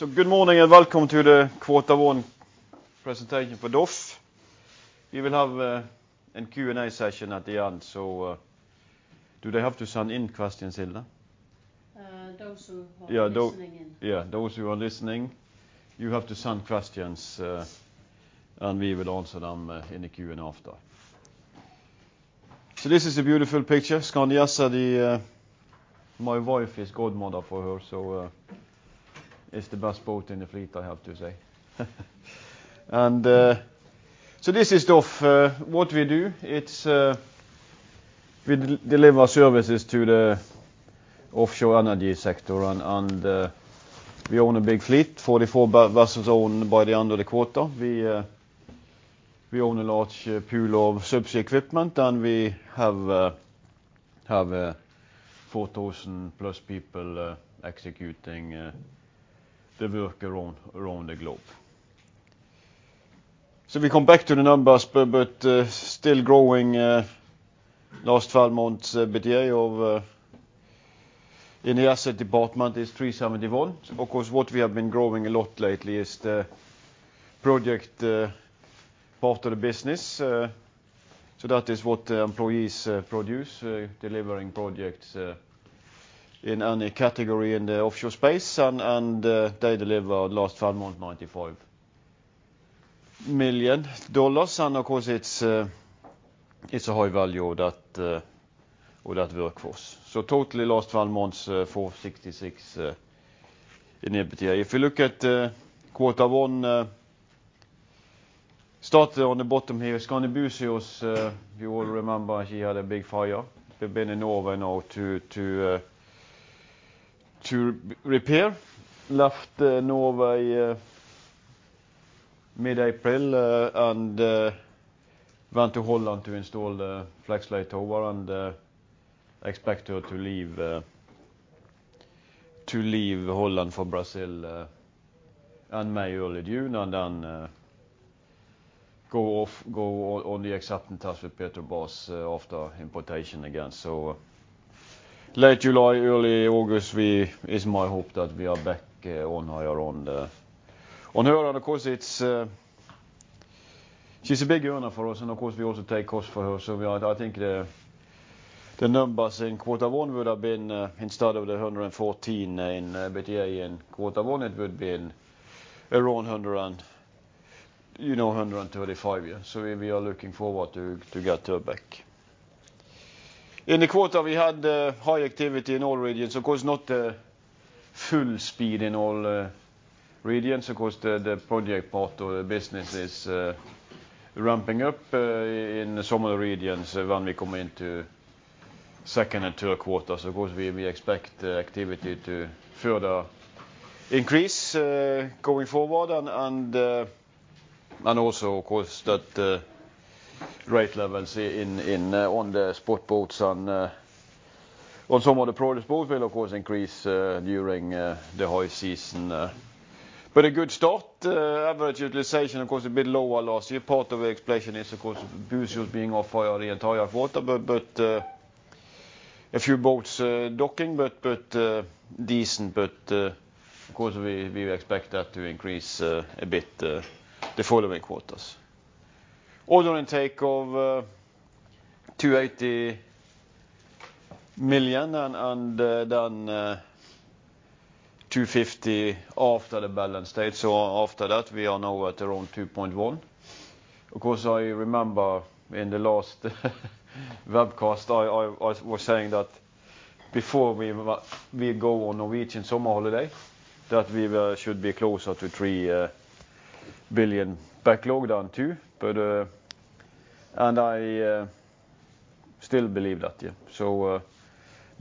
Good morning and welcome to the quarter one presentation for DOF. We will have a Q&A session at the end, so do they have to send in questions, Hilde? Those who are listening in. Yeah, those who are listening. You have to send questions, and we will answer them in the Q&A after. So this is a beautiful picture. Skandi Aase, my wife is a godmother for her, so it's the best boat in the fleet, I have to say. And so this is DOF. What we do, it's we deliver services to the offshore energy sector, and we own a big fleet, 44 vessels owned by the end of the quarter. We own a large pool of subsea equipment, and we have 4,000+ people executing the work around the globe. So we come back to the numbers, but still growing. Last 12 months, EBITDA of the asset department is $371 million. Of course, what we have been growing a lot lately is the project part of the business. So that is what employees produce, delivering projects in any category in the offshore space, and they deliver last 12 months $95 million. And of course, it's a high value of that workforce. So totally last 12 months, $466 million in the EBITDA. If you look at Q1, starting on the bottom here, Skandi Buzios, you all remember she had a big fire. We've been in Norway now to repair. Left Norway mid-April and went to Holland to install the flagship tower, and expect her to leave Holland for Brazil in May, early June, and then go on the exact task with Petrobras after importation again. So late July, early August, it's my hope that we are back on hire on her end. Of course, she's a big earner for us, and of course we also take costs for her. So I think the numbers in Q1 would have been instead of the $114 in EBITDA in Q1, it would have been around $135, yeah. So we are looking forward to get her back. In the quarter, we had high activity in all regions. Of course, not the full speed in all regions. Of course, the project part of the business is ramping up in some of the regions when we come into second and third quarter. So of course, we expect activity to further increase going forward, and also, of course, that rate levels on the spot boats and on some of the project boats will, of course, increase during the high season. But a good start. Average utilization, of course, a bit lower last year. Part of the explanation is, of course, Buzios being off-hire in Q4, but a few boats docking, but decent. But of course, we expect that to increase a bit the following quarters. Order intake of $280 million and then $250 million after the balance sheet. So after that, we are now at around $2.1 billion. Of course, I remember in the last webcast, I was saying that before we go on Norwegian summer holiday, that we should be closer to $3 billion backlog now too. And I still believe that, yeah. So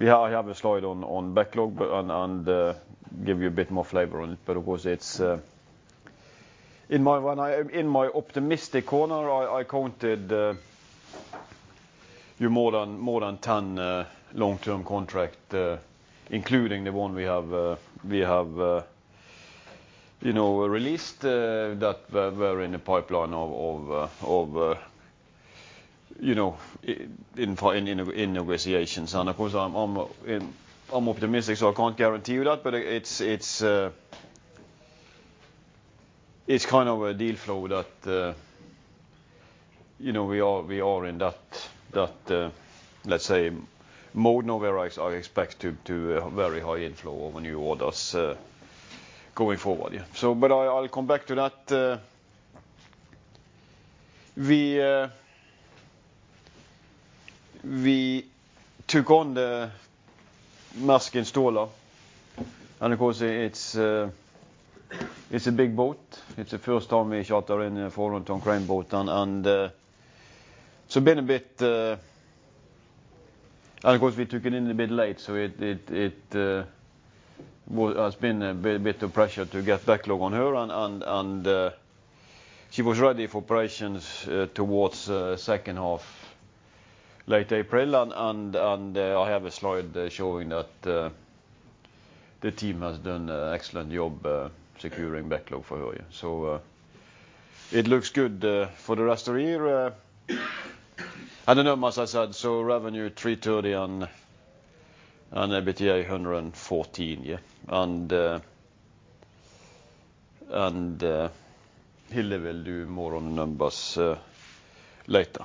I have a slide on backlog and give you a bit more flavor on it. But of course, it's in my optimistic corner, I counted more than 10 long-term contracts, including the one we have released that were in the pipeline in negotiations. And of course, I'm optimistic, so I can't guarantee you that. But it's kind of a deal flow that we are in that, let's say, mode now where I expect to have very high inflow of new orders going forward, yeah. But I'll come back to that. We took on the Maersk Installer. Of course, it's a big boat. It's the first time we shot her in a 400-ton crane boat. So it's been a bit, and of course, we took it in a bit late. So it has been a bit of pressure to get backlog on her. She was ready for operations towards second half, late April. I have a slide showing that the team has done an excellent job securing backlog for her, yeah. So it looks good for the rest of the year. The numbers, as I said, so revenue $330 and EBITDA $114, yeah. Hilde will do more on the numbers later.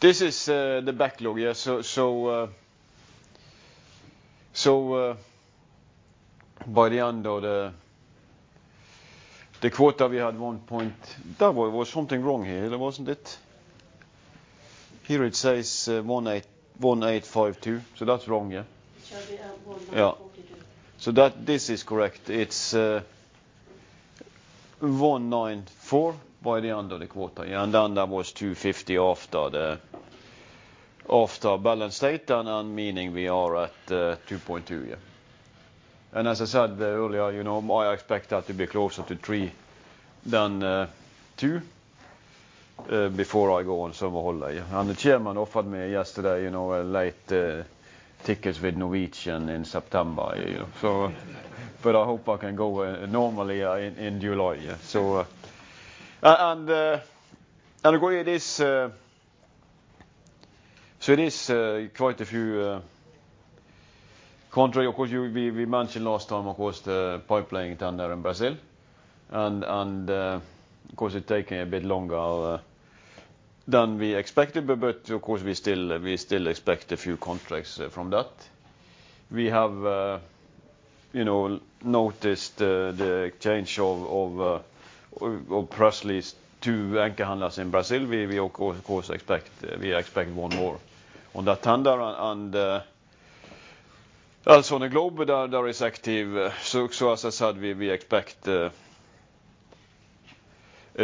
This is the backlog, yeah. So by the end of the quarter, we had 1 point there was something wrong here, Hilde, wasn't it? Here it says 1852. So that's wrong, yeah. It should be 194. Yeah. So this is correct. It's 194 by the end of the quarter, yeah. And then there was 250 after balance state, meaning we are at 2.2, yeah. And as I said earlier, I expect that to be closer to 3 than 2 before I go on summer holiday, yeah. And the chairman offered me yesterday late tickets with Norwegian in September, yeah. But I hope I can go normally in July, yeah. And of course, it is quite a few contracts. Of course, we mentioned last time, of course, the pipeline tender in Brazil. And of course, it's taking a bit longer than we expected. But of course, we still expect a few contracts from that. We have noticed the change of press release, two anchor handlers in Brazil. We expect one more on that tender. And also on the globe, there is Active. So as I said, we expect a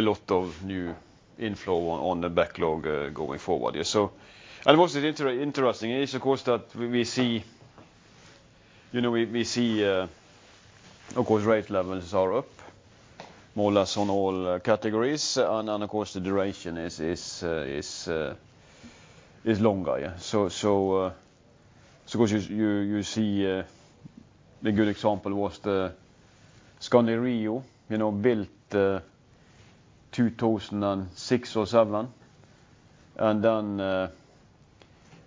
lot of new inflow on the backlog going forward, yeah. And what's interesting is, of course, that we see of course, rate levels are up, more or less on all categories. And of course, the duration is longer, yeah. So of course, you see a good example was the Skandi Rio built 2006 or 2007. And then the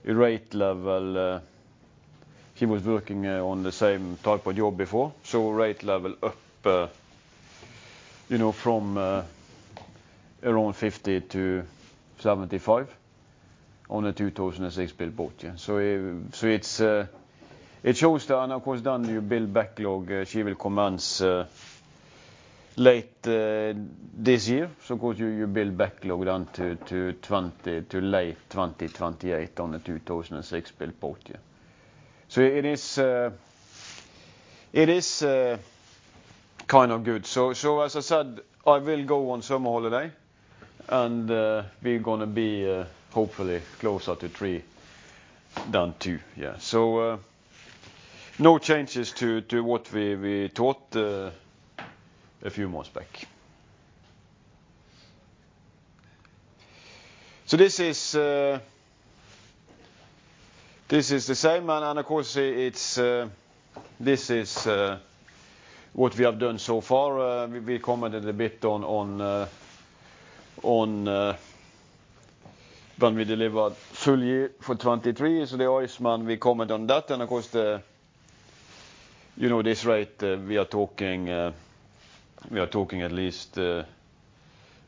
rate level she was working on the same type of job before. So rate level up from around $50-$75 on the 2006-built boat, yeah. So it shows that and of course, then you build backlog. She will commence late this year. So of course, you build backlog then to late 2028 on the 2006-built boat, yeah. So it is kind of good. So as I said, I will go on summer holiday, and we're going to be hopefully closer to three than two, yeah. So no changes to what we thought a few months back. So this is the same. And of course, this is what we have done so far. We commented a bit on when we delivered full year for 2023. So the Skandi Iceman, we commented on that. And of course, this rate, we are talking at least around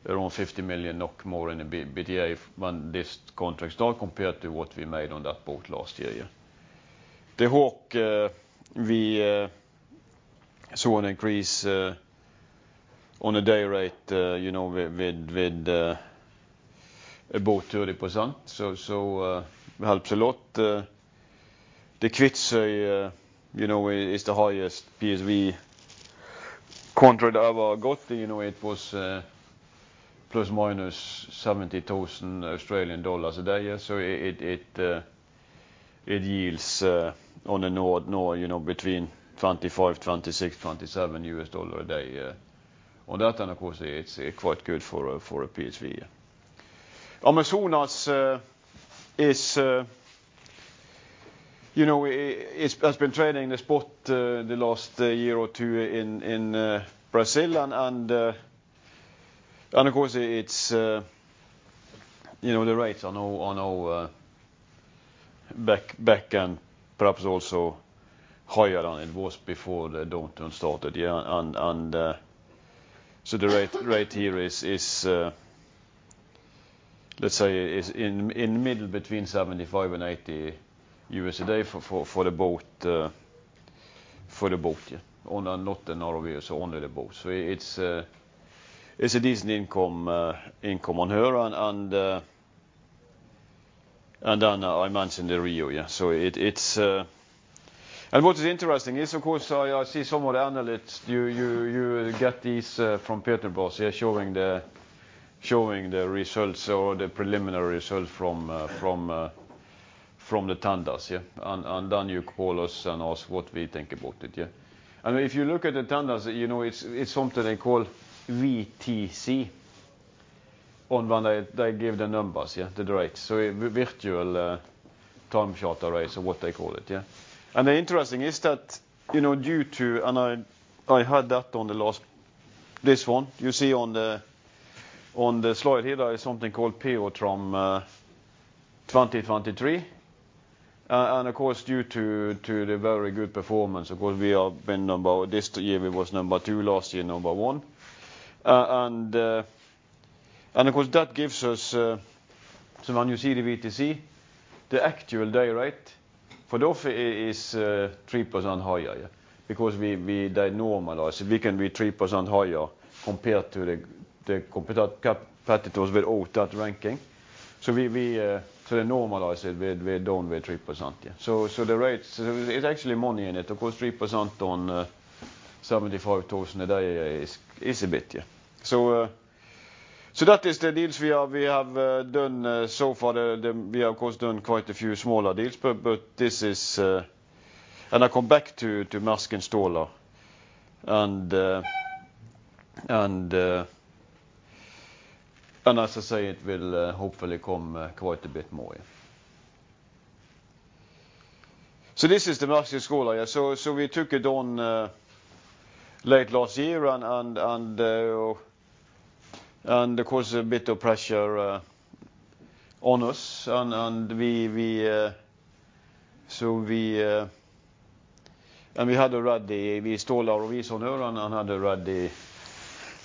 $50 million or more in the EBITDA when this contract starts compared to what we made on that boat last year, yeah. The Skandi Hawk, we saw an increase on the day rate with about 30%. So it helps a lot. The Skandi Kvitsøy is the highest PSV contract ever I got. It was ± 70,000 Australian dollars a day, yeah. So it yields on the North between $25-$27 a day. On that end, of course, it's quite good for a PSV, yeah. Amazonas has been trading the spot the last year or two in Brazil. And of course, the rates are now back and perhaps also higher than it was before the downturn started, yeah. And so the rate here is, let's say, in the middle between $75-$80 a day for the boat, yeah. Not the Norwegian, so only the boat. So it's a decent income on her. And then I mentioned the Rio, yeah. And what is interesting is, of course, I see some of the analysts. You get these from Petrobras, yeah, showing the results or the preliminary results from the tenders, yeah. And then you call us and ask what we think about it, yeah. If you look at the tenders, it's something they call VTC on when they give the numbers, yeah, the rates. So virtual time charter, or what they call it, yeah. The interesting is that due to and I had that on the last this one. You see on the slide here, there is something called PEOTRAM 2023. And of course, due to the very good performance, of course, we have been number this year, we were number two. Last year, number one. And of course, that gives us so when you see the VTC, the actual day rate for DOF is 3% higher, yeah. Because they normalized. We can be 3% higher compared to the competitors without that ranking. So they normalized it down with 3%, yeah. So the rates so it's actually money in it. Of course, 3% on $75,000 a day is a bit, yeah. So that is the deals we have done so far. We have, of course, done quite a few smaller deals. But this is, and I come back to Maersk Installer. And as I say, it will hopefully come quite a bit more, yeah. So this is the Maersk Installer, yeah. So we took it on late last year. And of course, a bit of pressure on us. And we had already rushed our revision now and had already,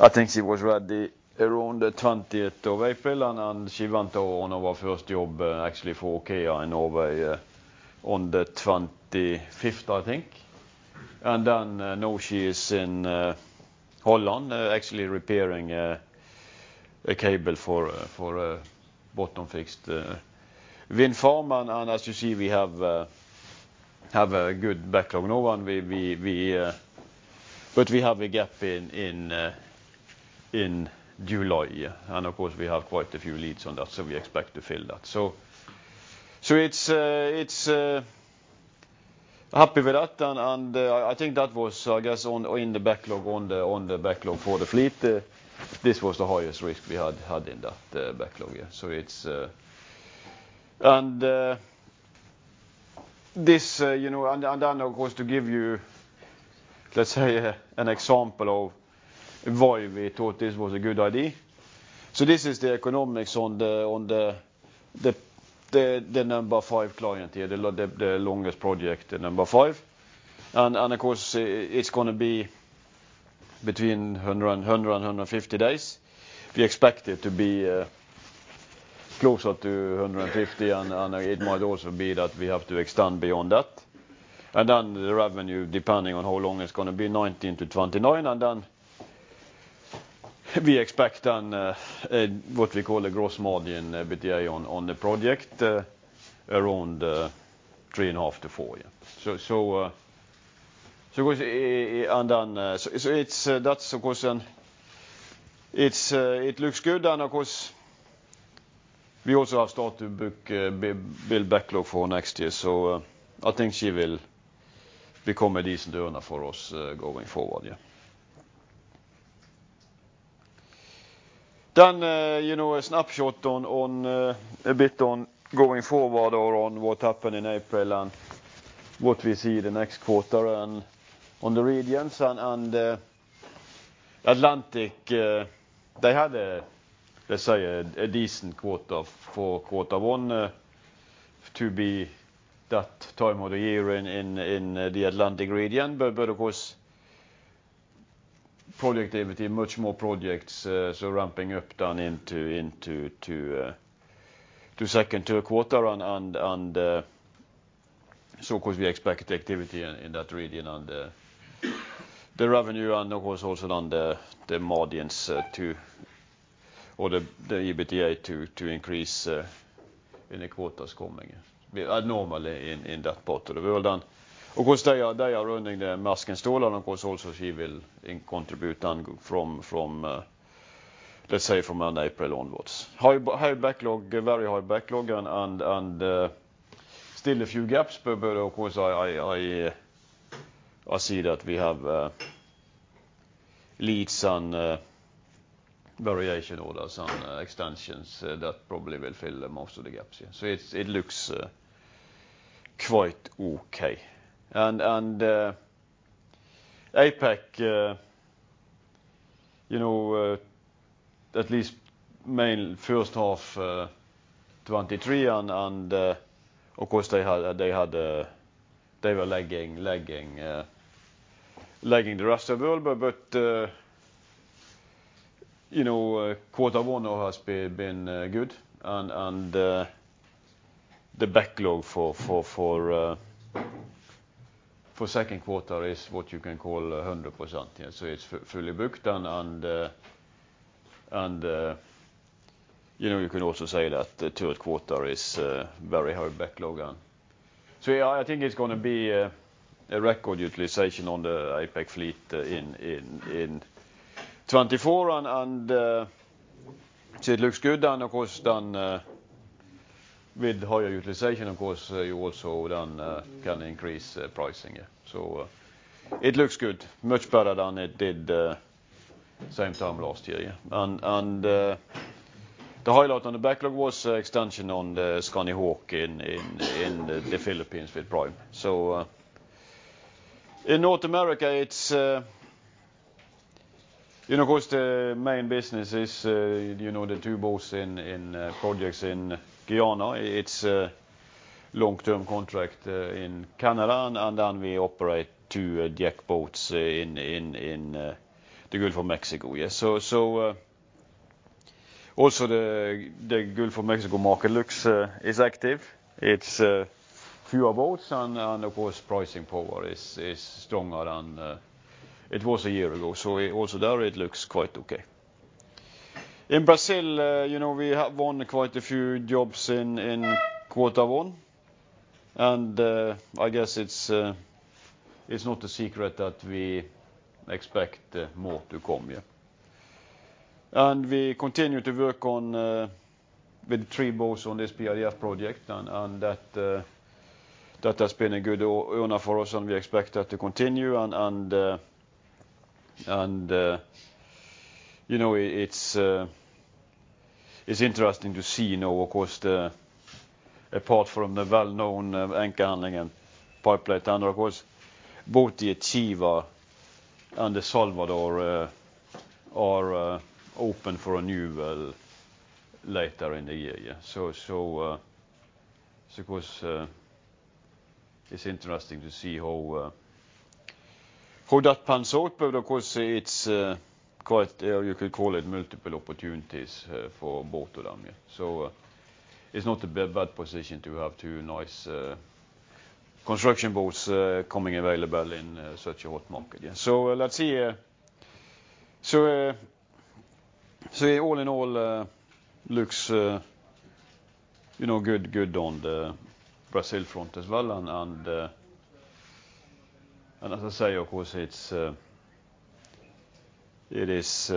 I think she was ready around the 20th of April. And she went on our first job, actually, for OKEA in Norway on the 25th, I think. And then now she is in Holland, actually repairing a cable for a bottom-fixed wind farm. And as you see, we have a good backlog now. But we have a gap in July, yeah. Of course, we have quite a few leads on that. We expect to fill that. It's happy with that. I think that was, I guess, in the backlog on the backlog for the fleet. This was the highest risk we had in that backlog, yeah. And then, of course, to give you, let's say, an example of why we thought this was a good idea. This is the economics on the number five client here, the longest project, the number five. Of course, it's going to be between 100 days-150 days. We expect it to be closer to 150 days. It might also be that we have to extend beyond that. Then the revenue, depending on how long it's going to be, $19-$29. And then we expect then what we call a gross margin EBITDA on the project around 3.5-4, yeah. So of course and then so that's, of course and it looks good. And of course, we also have started to build backlog for next year. So I think she will become a decent earner for us going forward, yeah. Then a snapshot a bit on going forward or on what happened in April and what we see the next quarter and on the regions. And Atlantic, they had, let's say, a decent quarter for quarter one to be that time of the year in the Atlantic region. But of course, project activity, much more projects ramping up then into second quarter. And so of course, we expect activity in that region and the revenue and of course also then the margins to or the EBITDA to increase in the quarters coming, yeah. Normally in that boat. Of course, they are earning the Maersk Installer. And of course, also she will contribute then from, let's say, from April onwards. High backlog, very high backlog. And still a few gaps. But of course, I see that we have leads and variation orders and extensions that probably will fill most of the gaps, yeah. So it looks quite OK. And APAC, at least mainly first half 2023. And of course, they were lagging the rest of the world. But quarter one now has been good. And the backlog for second quarter is what you can call 100%, yeah. So it's fully booked. You can also say that third quarter is very high backlog. So yeah, I think it's going to be a record utilization on the APAC fleet in 2024. And so it looks good. And of course, then with higher utilization, of course, you also then can increase pricing, yeah. So it looks good, much better than it did same time last year, yeah. And the highlight on the backlog was extension on the Skandi Hawk in the Philippines with Prime. So in North America, it's of course, the main business is the two boats in projects in Guyana. It's a long-term contract in Canada. And then we operate two deck boats in the Gulf of Mexico, yeah. So also, the Gulf of Mexico market looks, it's active. It's fewer boats. And of course, pricing power is stronger than it was a year ago. So also there, it looks quite OK. In Brazil, we have won quite a few jobs in quarter one. I guess it's not a secret that we expect more to come, yeah. We continue to work with the three boats on this PIF project. That has been a good earner for us. We expect that to continue. It's interesting to see now, of course, apart from the well-known anchor handling and pipeline. Of course, both the Achiever and the Salvador are open for a new well later in the year, yeah. So of course, it's interesting to see how that pans out. Of course, it's quite, you could call it, multiple opportunities for both of them, yeah. It's not a bad position to have two nice construction boats coming available in such a hot market, yeah. Let's see. So all in all, looks good on the Brazil front as well. And as I say, of course, it is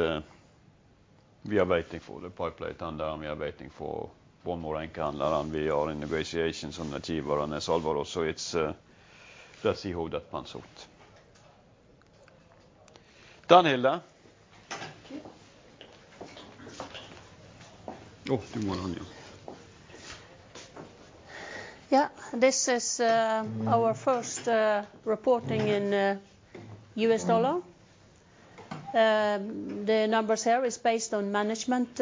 we are waiting for the pipeline. And then we are waiting for one more anchor handler. And we are in negotiations on the Achiever and the Salvador. So let's see how that pans out. Dan, Hilde? Oh, good morning. Yeah. This is our first reporting in U.S. dollar. The numbers here are based on management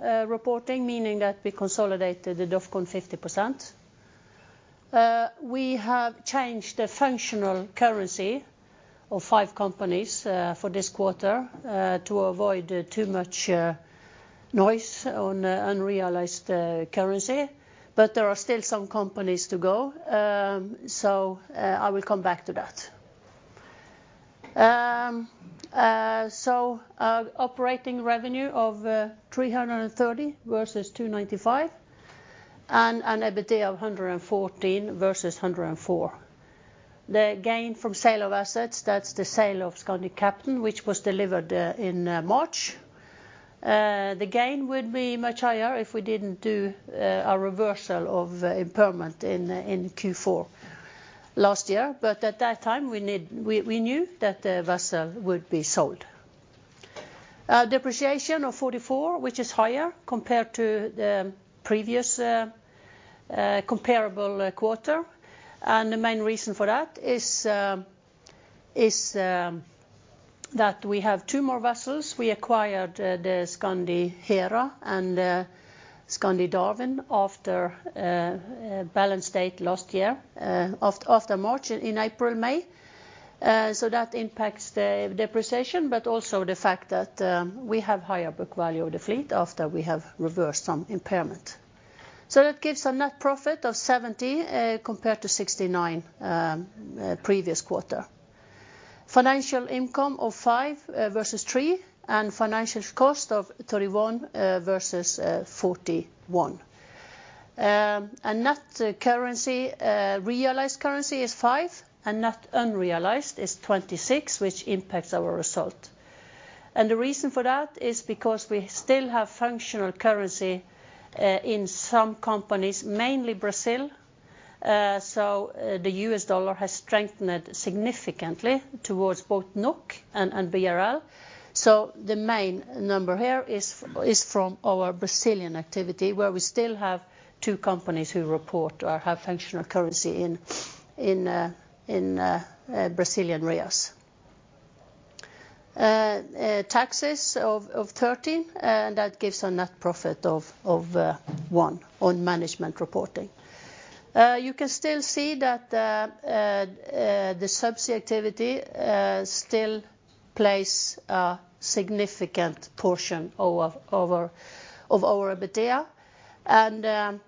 reporting, meaning that we consolidated the DOFCON 50%. We have changed the functional currency of five companies for this quarter to avoid too much noise on unrealized currency. But there are still some companies to go. So I will come back to that. So operating revenue of $330 million versus $295 million. And an EBITDA of $114 million versus $104 million. The gain from sale of assets, that's the sale of Skandi Captain, which was delivered in March. The gain would be much higher if we didn't do a reversal of impairment in Q4 last year. But at that time, we knew that the vessel would be sold. Depreciation of $44 million, which is higher compared to the previous comparable quarter. The main reason for that is that we have two more vessels. We acquired the Skandi Hera and Skandi Darwin after balance sheet date last year, after March, in April, May. So that impacts the depreciation. But also the fact that we have higher book value of the fleet after we have reversed some impairment. So that gives a net profit of $70 million compared to $69 million previous quarter. Financial income of $5 million versus $3 million. And financial cost of $31 million versus $41 million. And net currency, realized currency is $5 million. And net unrealized is $26 million, which impacts our result. The reason for that is because we still have functional currency in some companies, mainly Brazil. So the U.S. dollar has strengthened significantly towards both NOK and BRL. So the main number here is from our Brazilian activity, where we still have two companies who report or have functional currency in Brazilian reais. Taxes of $13 million. And that gives a net profit of $1 million on management reporting. You can still see that the subsea activity still plays a significant portion of our EBITDA. And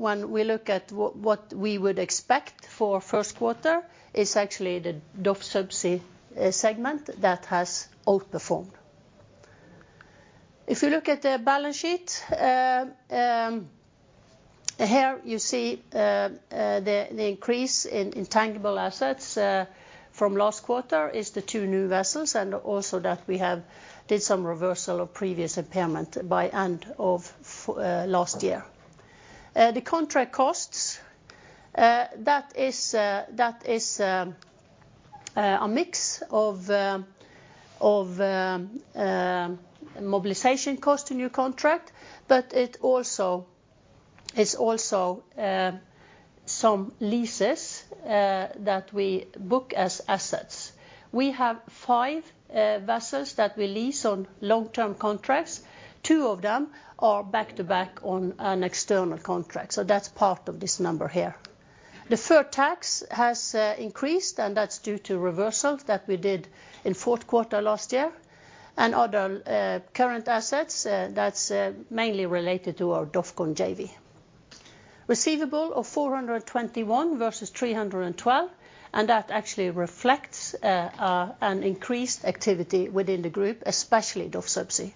when we look at what we would expect for first quarter, it's actually the DOF subsea segment that has outperformed. If you look at the balance sheet, here you see the increase in tangible assets from last quarter is the two new vessels. And also that we have did some reversal of previous impairment by end of last year. The contract costs, that is a mix of mobilization cost to new contract. But it also is some leases that we book as assets. We have five vessels that we lease on long-term contracts. Two of them are back-to-back on an external contract. So that's part of this number here. The deferred tax has increased. That's due to reversals that we did in fourth quarter last year. Other current assets, that's mainly related to our DOFCON JV. Receivable of 421 versus 312. That actually reflects an increased activity within the group, especially DOF Subsea.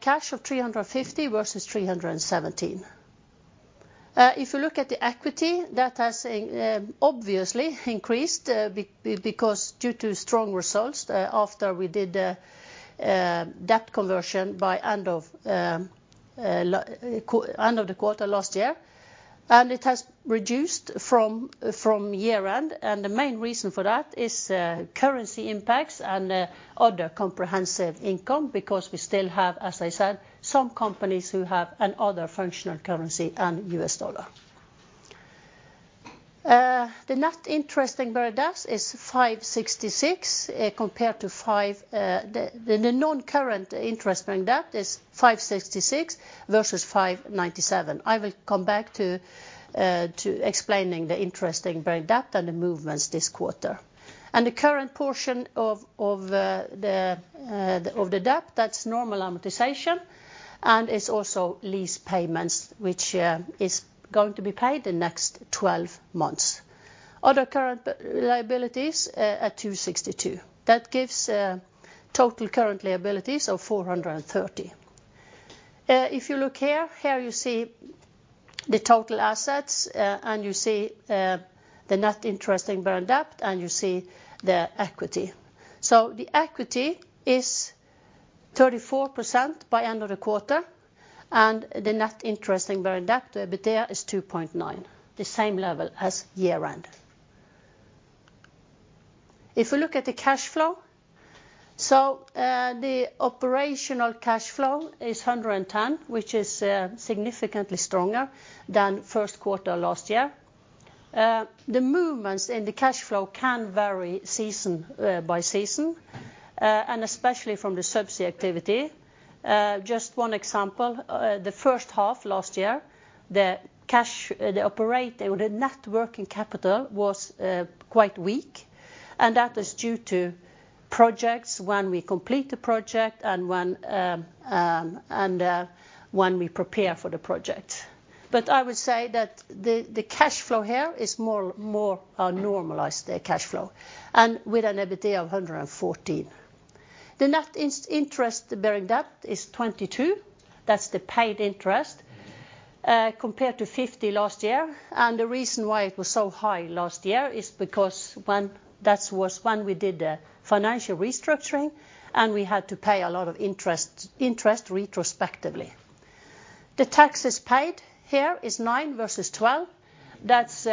Cash of 350 versus 317. If you look at the equity, that has obviously increased due to strong results after we did debt conversion by end of the quarter last year. It has reduced from year-end. And the main reason for that is currency impacts and other comprehensive income. Because we still have, as I said, some companies who have another functional currency and U.S. dollar. The net interest-bearing debt is $566 compared to $597, the non-current interest-bearing debt is $566 versus $597. I will come back to explaining the interest-bearing debt and the movements this quarter. And the current portion of the debt, that's normal amortization. And it's also lease payments, which is going to be paid the next 12 months. Other current liabilities at $262. That gives total current liabilities of $430. If you look here, here you see the total assets. And you see the net interest-bearing debt. And you see the equity. So the equity is 34% by end of the quarter. And the net interest-bearing debt, the EBITDA, is 2.9, the same level as year-end. If we look at the cash flow, so the operational cash flow is $110, which is significantly stronger than first quarter last year. The movements in the cash flow can vary season by season, and especially from the subsea activity. Just one example, the first half last year, the operating or the net working capital was quite weak. And that is due to projects when we complete the project and when we prepare for the project. But I would say that the cash flow here is more normalized, the cash flow, and with an EBITDA of $114. The net interest-bearing debt is $22. That's the paid interest compared to $50 last year. And the reason why it was so high last year is because that was when we did the financial restructuring. And we had to pay a lot of interest retrospectively. The taxes paid here is 9% versus 12%. That's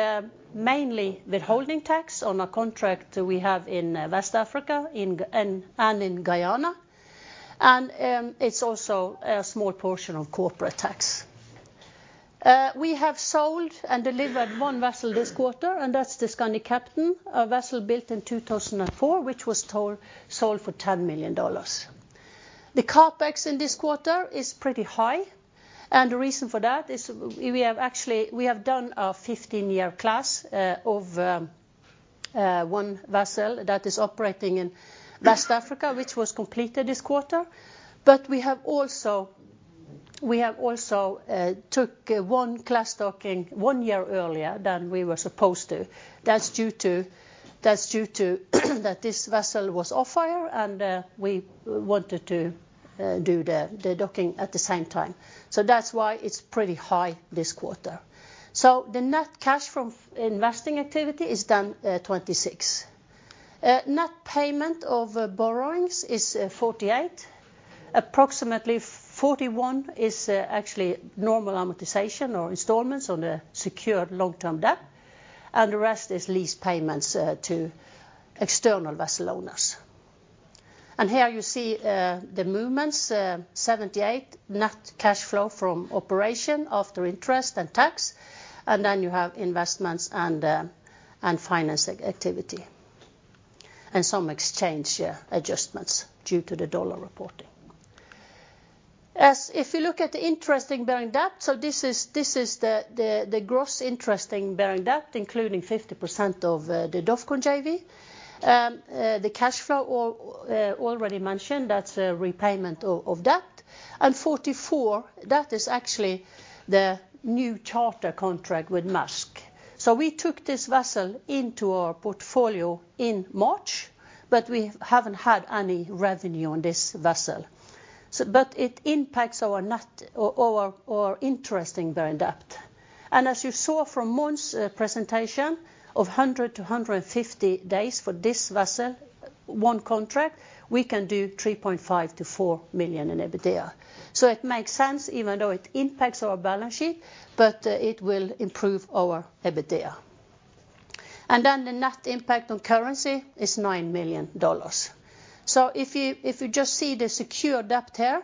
mainly withholding tax on a contract we have in West Africa and in Guyana. It's also a small portion of corporate tax. We have sold and delivered one vessel this quarter. That's the Skandi Captain, a vessel built in 2004, which was sold for $10 million. The CapEx in this quarter is pretty high. The reason for that is we have done a 15-year class of one vessel that is operating in West Africa, which was completed this quarter. But we have also took one class docking 1 year earlier than we were supposed to. That's due to that this vessel was off-hire. We wanted to do the docking at the same time. That's why it's pretty high this quarter. The net cash from investing activity is then $26 million. Net payment of borrowings is $48. Approximately $41 is actually normal amortization or installments on the secured long-term debt. The rest is lease payments to external vessel owners. Here you see the movements, $78 net cash flow from operations after interest and tax. Then you have investments and financing activities and some exchange adjustments due to the dollar reporting. If you look at the interest-bearing debt, so this is the gross interest-bearing debt, including 50% of the DOFCON JV. The cash flow already mentioned, that's repayment of debt. And $44, that is actually the new charter contract with MODEC. So we took this vessel into our portfolio in March. But we haven't had any revenue on this vessel. But it impacts our interest-bearing debt. As you saw from Mons' presentation of 100 days-150 days for this vessel, one contract, we can do $3.5 million-$4 million in EBITDA. It makes sense, even though it impacts our balance sheet. It will improve our EBITDA. Then the net impact on currency is $9 million. If you just see the secured debt here,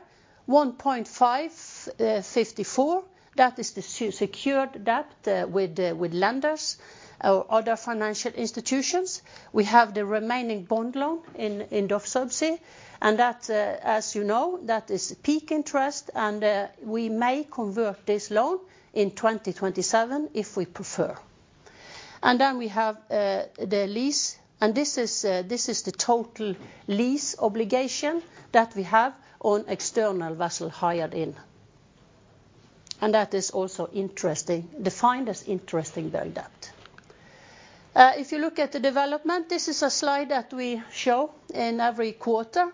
$1.554, that is the secured debt with lenders or other financial institutions. We have the remaining bond loan in DOF Subsea. As you know, that is PIK interest. We may convert this loan in 2027 if we prefer. Then we have the lease. This is the total lease obligation that we have on external vessel hired in. That is also defined as interest-bearing debt. If you look at the development, this is a slide that we show in every quarter.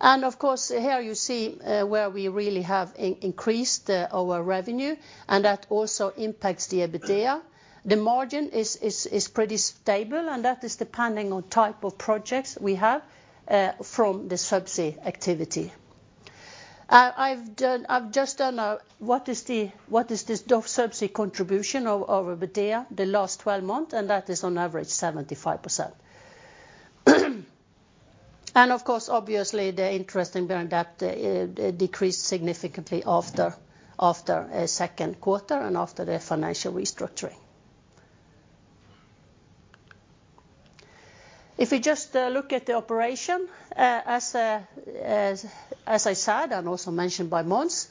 Of course, here you see where we really have increased our revenue. That also impacts the EBITDA. The margin is pretty stable. That is depending on type of projects we have from the subsea activity. I've just done a what is this DOF Subsea contribution to EBITDA the last 12 months? That is on average 75%. Of course, obviously, the interest-bearing debt decreased significantly after second quarter and after the financial restructuring. If we just look at the operation, as I said and also mentioned by Mons,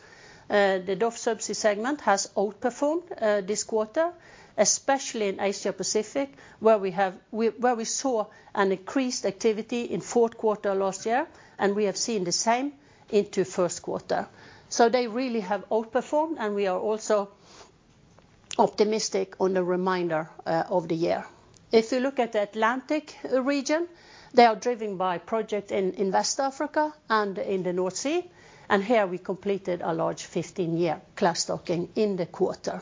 the DOF Subsea segment has outperformed this quarter, especially in Asia Pacific, where we saw an increased activity in fourth quarter last year. We have seen the same into first quarter. They really have outperformed. We are also optimistic on the remainder of the year. If you look at the Atlantic region, they are driven by projects in West Africa and in the North Sea. Here we completed a large 15-year class docking in the quarter.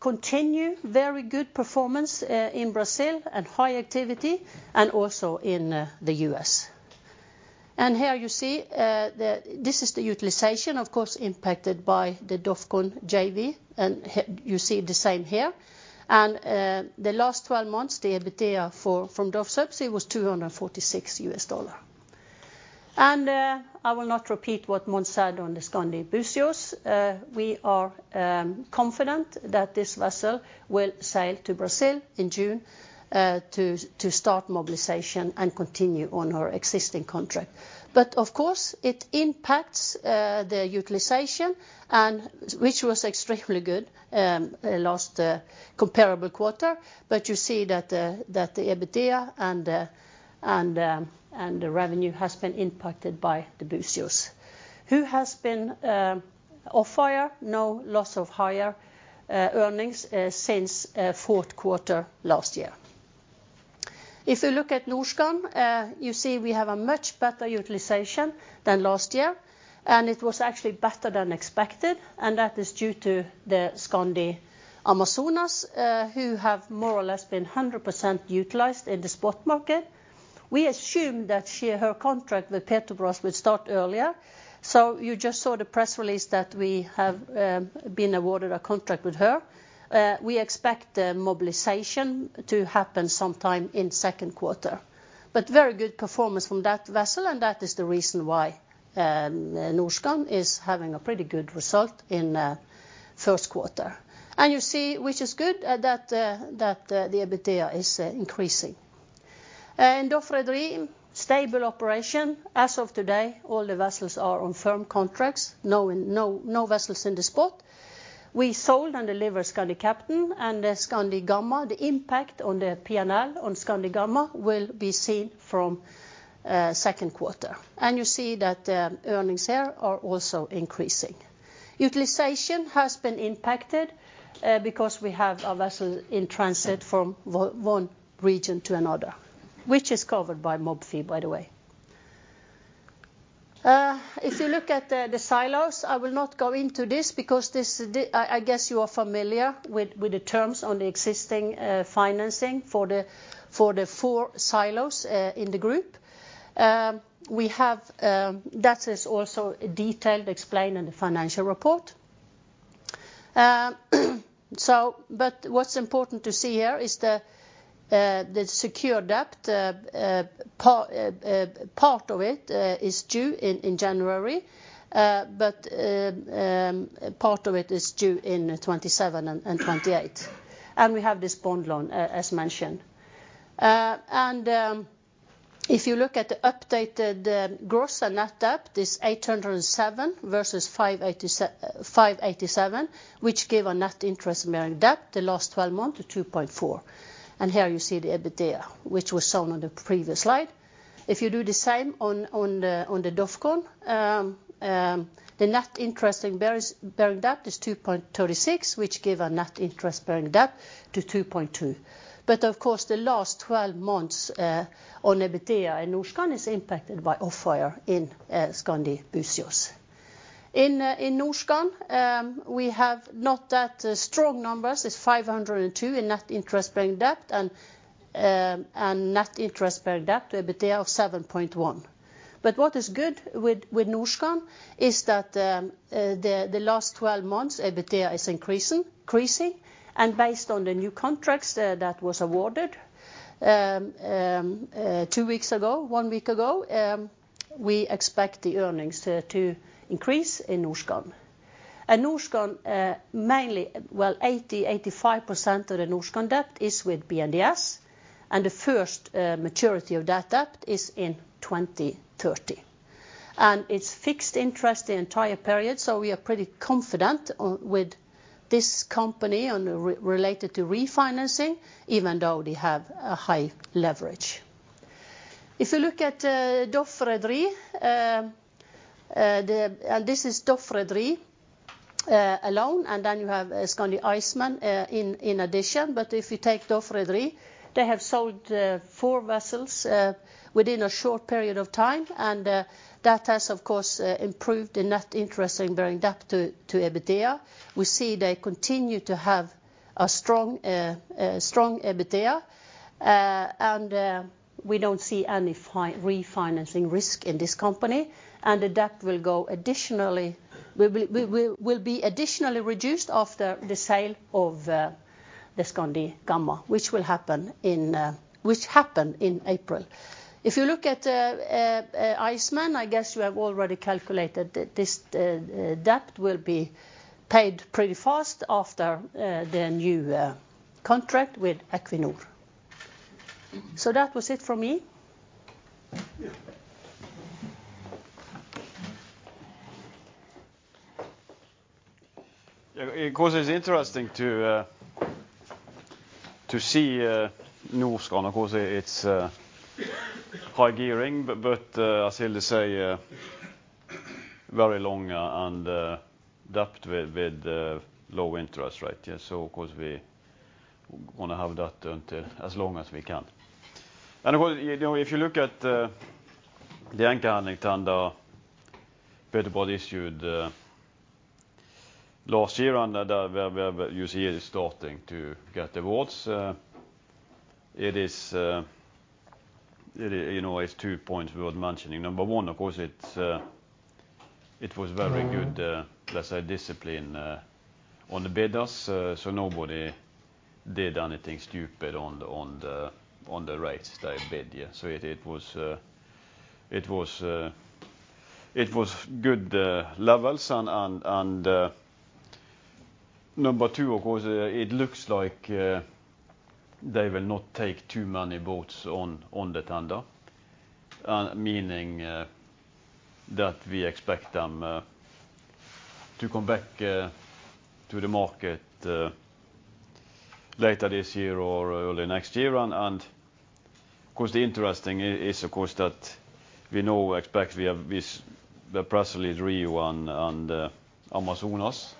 Continue very good performance in Brazil and high activity and also in the U.S.. Here you see this is the utilization, of course, impacted by the DOFCON JV. You see the same here. In the last 12 months, the EBITDA from DOF Subsea was $246. I will not repeat what Mons said on the Skandi Buzios. We are confident that this vessel will sail to Brazil in June to start mobilization and continue on our existing contract. But of course, it impacts the utilization, which was extremely good last comparable quarter. But you see that the EBITDA and the revenue has been impacted by the Buzios. Who has been off-hire? No loss of higher earnings since fourth quarter last year. If you look at Norskan, you see we have a much better utilization than last year. And it was actually better than expected. And that is due to the Skandi Amazonas, who have more or less been 100% utilized in the spot market. We assumed that her contract with Petrobras would start earlier. So you just saw the press release that we have been awarded a contract with her. We expect mobilization to happen sometime in second quarter. But very good performance from that vessel. And that is the reason why Norskan is having a pretty good result in first quarter. And you see, which is good, that the EBITDA is increasing. In DOF Rederi, stable operation. As of today, all the vessels are on firm contracts. No vessels in the spot. We sold and delivered Skandi Captain. Skandi Gamma, the impact on the P&L on Skandi Gamma will be seen from second quarter. You see that earnings here are also increasing. Utilization has been impacted because we have a vessel in transit from one region to another, which is covered by MOB fee, by the way. If you look at the silos, I will not go into this because I guess you are familiar with the terms on the existing financing for the four silos in the group. That is also detailedly explained in the financial report. What's important to see here is the secured debt. Part of it is due in January. Part of it is due in 2027 and 2028. We have this bond loan, as mentioned. If you look at the updated gross and net debt, it's $807 versus $587, which gave a net interest-bearing debt the last 12 months to 2.4. And here you see the EBITDA, which was shown on the previous slide. If you do the same on the DOFCON, the net interest-bearing debt is 2.36, which gave a net interest-bearing debt to 2.2. But of course, the last 12 months on EBITDA in Norskan is impacted by off-hire in Skandi Buzios. In Norskan, we have not that strong numbers. It's $502 in net interest-bearing debt and net interest-bearing debt, EBITDA of 7.1. But what is good with Norskan is that the last 12 months, EBITDA is increasing. And based on the new contracts that was awarded two weeks ago, one week ago, we expect the earnings to increase in Norskan. Norskan, mainly, well, 80%-85% of the Norskan debt is with BNDES. The first maturity of that debt is in 2030. It's fixed interest the entire period. So we are pretty confident with this company related to refinancing, even though they have high leverage. If you look at DOF Rederi, and this is DOF Rederi alone. Then you have Skandi Iceman in addition. But if you take DOF Rederi, they have sold four vessels within a short period of time. That has, of course, improved the net interest-bearing debt to EBITDA. We see they continue to have a strong EBITDA. We don't see any refinancing risk in this company. The debt will be additionally reduced after the sale of the Skandi Gamma, which will happen in April. If you look at Iceman, I guess you have already calculated that this debt will be paid pretty fast after the new contract with Equinor. So that was it for me. Of course, it's interesting to see Norskan. Of course, it's high gearing. But as Hilde say, very long-term debt with low interest rate. So of course, we're going to have that as long as we can. And of course, if you look at the anchor handling tender Petrobras issued last year, and you see it is starting to get awards, it is two points worth mentioning. Number one, of course, it was very good, as I said, discipline on the bidders. So nobody did anything stupid on the rates they bid. So it was good levels. And number two, of course, it looks like they will not take too many boats on the tender, meaning that we expect them to come back to the market later this year or early next year. Of course, the interesting is, of course, that we know we expect the PLSV Rio and Amazonas.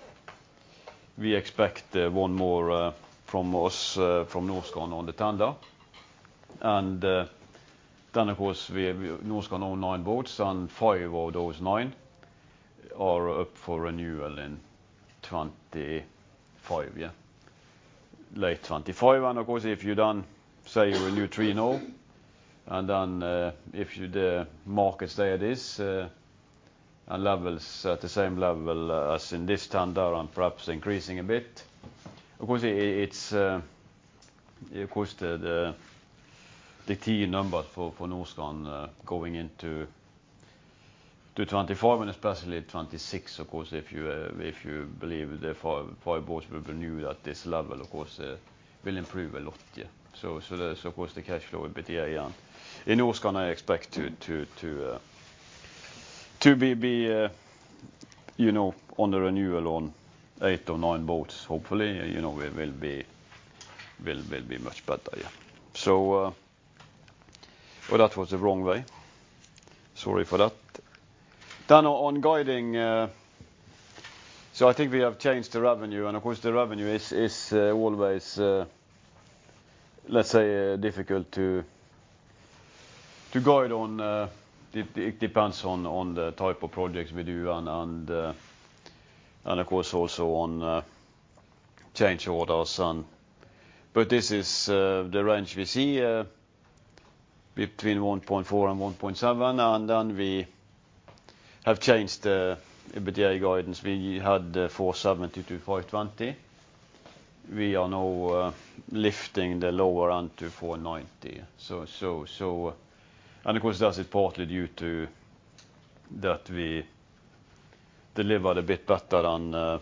We expect one more from Norskan on the tender. Then, of course, Norskan own nine boats. Five of those nine are up for renewal in late 2025. Of course, if you then say you renew three, and then if the market stay at this level at the same level as in this tender and perhaps increasing a bit, of course, of course, the key numbers for Norskan going into 2025 and especially 2026, of course, if you believe the five boats will renew at this level, of course, will improve a lot. Of course, the cash flow EBITDA in Norskan, I expect to be on the renewal on eight or nine boats. Hopefully, it will be much better. That was the wrong way. Sorry for that. Then on guiding, so I think we have changed the revenue. And of course, the revenue is always, let's say, difficult to guide on. It depends on the type of projects we do. And of course, also on change orders. But this is the range we see between $1.4 and $1.7. And then we have changed the EBITDA guidance. We had $470-$520. We are now lifting the lower end to $490. And of course, that is partly due to that we delivered a bit better than our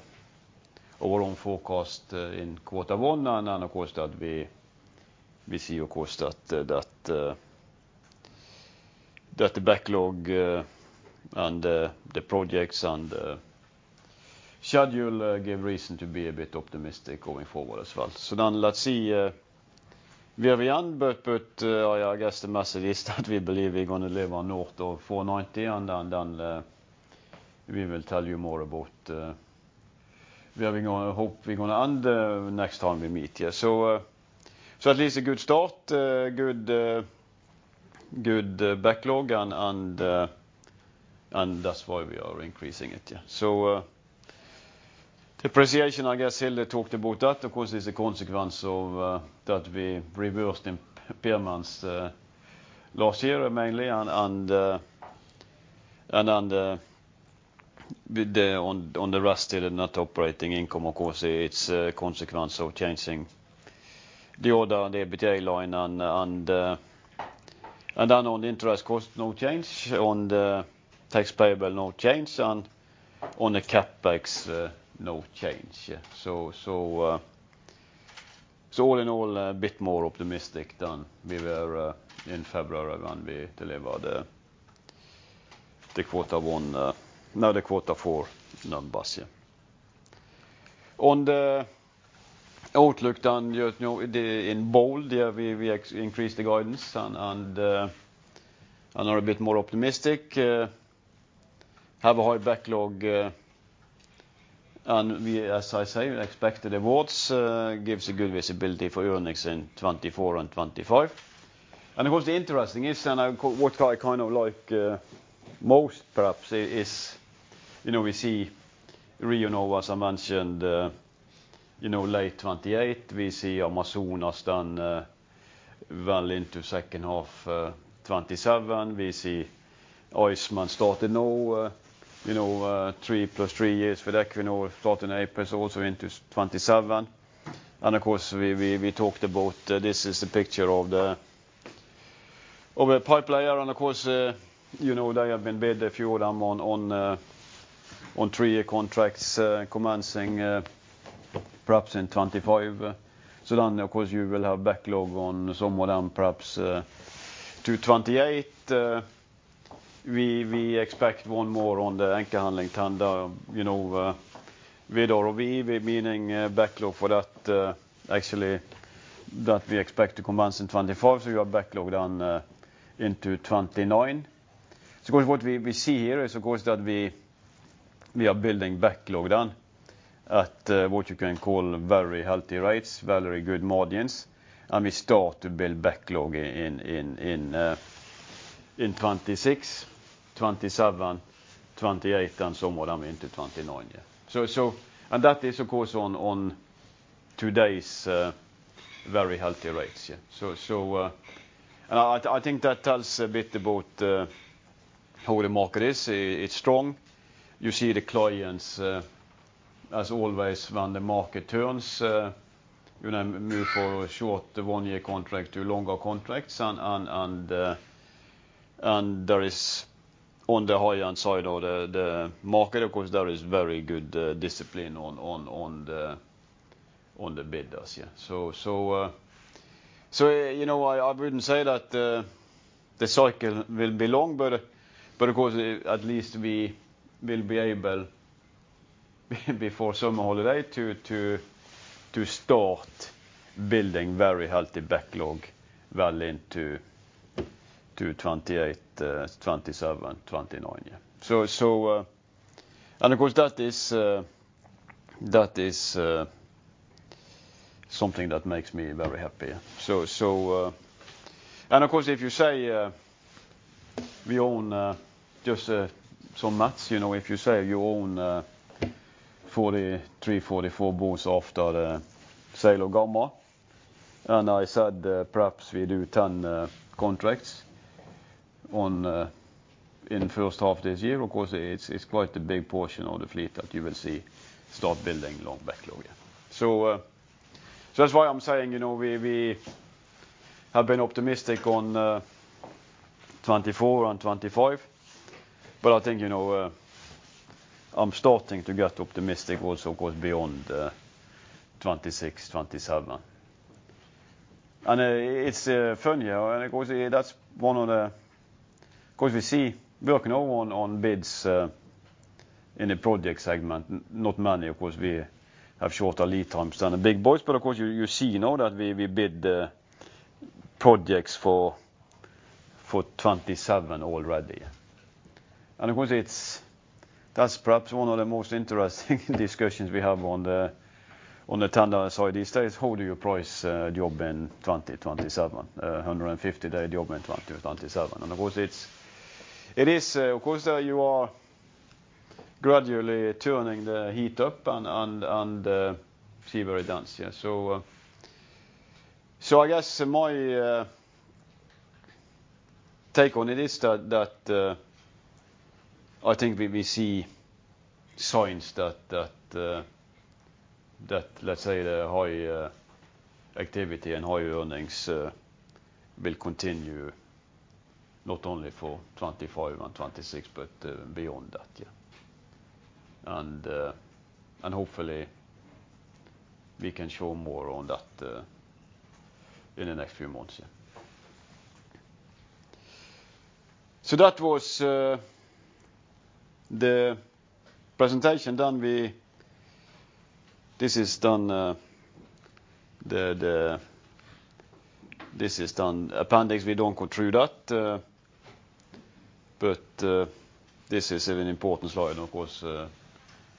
own forecast in quarter one. And then of course, we see, of course, that the backlog and the projects and the schedule gave reason to be a bit optimistic going forward as well. So then let's see. We have the end. But I guess the message is that we believe we're going to live on north of $490. And then we will tell you more about where we're going to hope we're going to end next time we meet here. So at least a good start, good backlog. And that's why we are increasing it. So depreciation, I guess Hilde talked about that. Of course, it's a consequence of that we reversed impairments last year, mainly. And on the rest of the net operating income, of course, it's a consequence of changing the order on the EBITDA line. And then on the interest cost, no change. On tax payable, no change. And on the CapEx, no change. So all in all, a bit more optimistic than we were in February when we delivered the quarter four numbers. On the outlook then in bold, we increased the guidance. And I'm a bit more optimistic. Have a high backlog. And as I say, expected awards gives a good visibility for earnings in 2024 and 2025. And of course, the interesting is, and what I kind of like most perhaps, is we see Rio, Nova, as I mentioned, late 2028. We see Skandi Amazonas then well into second half 2027. We see Skandi Iceman starting now, 3 + 3 years for the Equinor, starting April, also into 2027. And of course, we talked about this is the picture of the pipeline. And of course, they have been bid a few of them on 3-year contracts commencing perhaps in 2025. So then, of course, you will have backlog on some of them perhaps to 2028. We expect one more on the anchor handling tender. We meaning backlog for that, actually, that we expect to commence in 2025. So you have backlog then into 2029. So of course, what we see here is, of course, that we are building backlog then, at what you can call very healthy rates, very good margins. And we start to build backlog in 2026, 2027, 2028, and some of them into 2029. And that is, of course, on today's very healthy rates. And I think that tells a bit about how the market is. It's strong. You see the clients, as always, when the market turns, move from a short 1-year contract to longer contracts. And on the high-end side of the market, of course, there is very good discipline on the bidders. So I wouldn't say that the cycle will be long. But of course, at least we will be able, before summer holiday, to start building very healthy backlog well into 2028, 2027, 2029. And of course, that is something that makes me very happy. Of course, if you say we own just some mats, if you say you own 43, 44 boats after the sale of Gamma. I said perhaps we do 10 contracts in the first half of this year. Of course, it's quite a big portion of the fleet that you will see start building long backlog. So that's why I'm saying we have been optimistic on 2024 and 2025. But I think I'm starting to get optimistic also, of course, beyond 2026, 2027. And it's funny. And of course, that's one of the of course, we see working on bids in the project segment, not many. Of course, we have shorter lead times than the big boys. But of course, you see now that we bid projects for 2027 already. And of course, that's perhaps one of the most interesting discussions we have on the tender side these days. How do you price a job in 2020, 2027, 150-day job in 2020 or 2027? And of course, it is of course, you are gradually turning the heat up and see where it ends. So I guess my take on it is that I think we see signs that, let's say, the high activity and high earnings will continue not only for 2025 and 2026, but beyond that. And hopefully, we can show more on that in the next few months. So that was the presentation done. This is the appendix. We don't go through that. But this is an important slide, of course,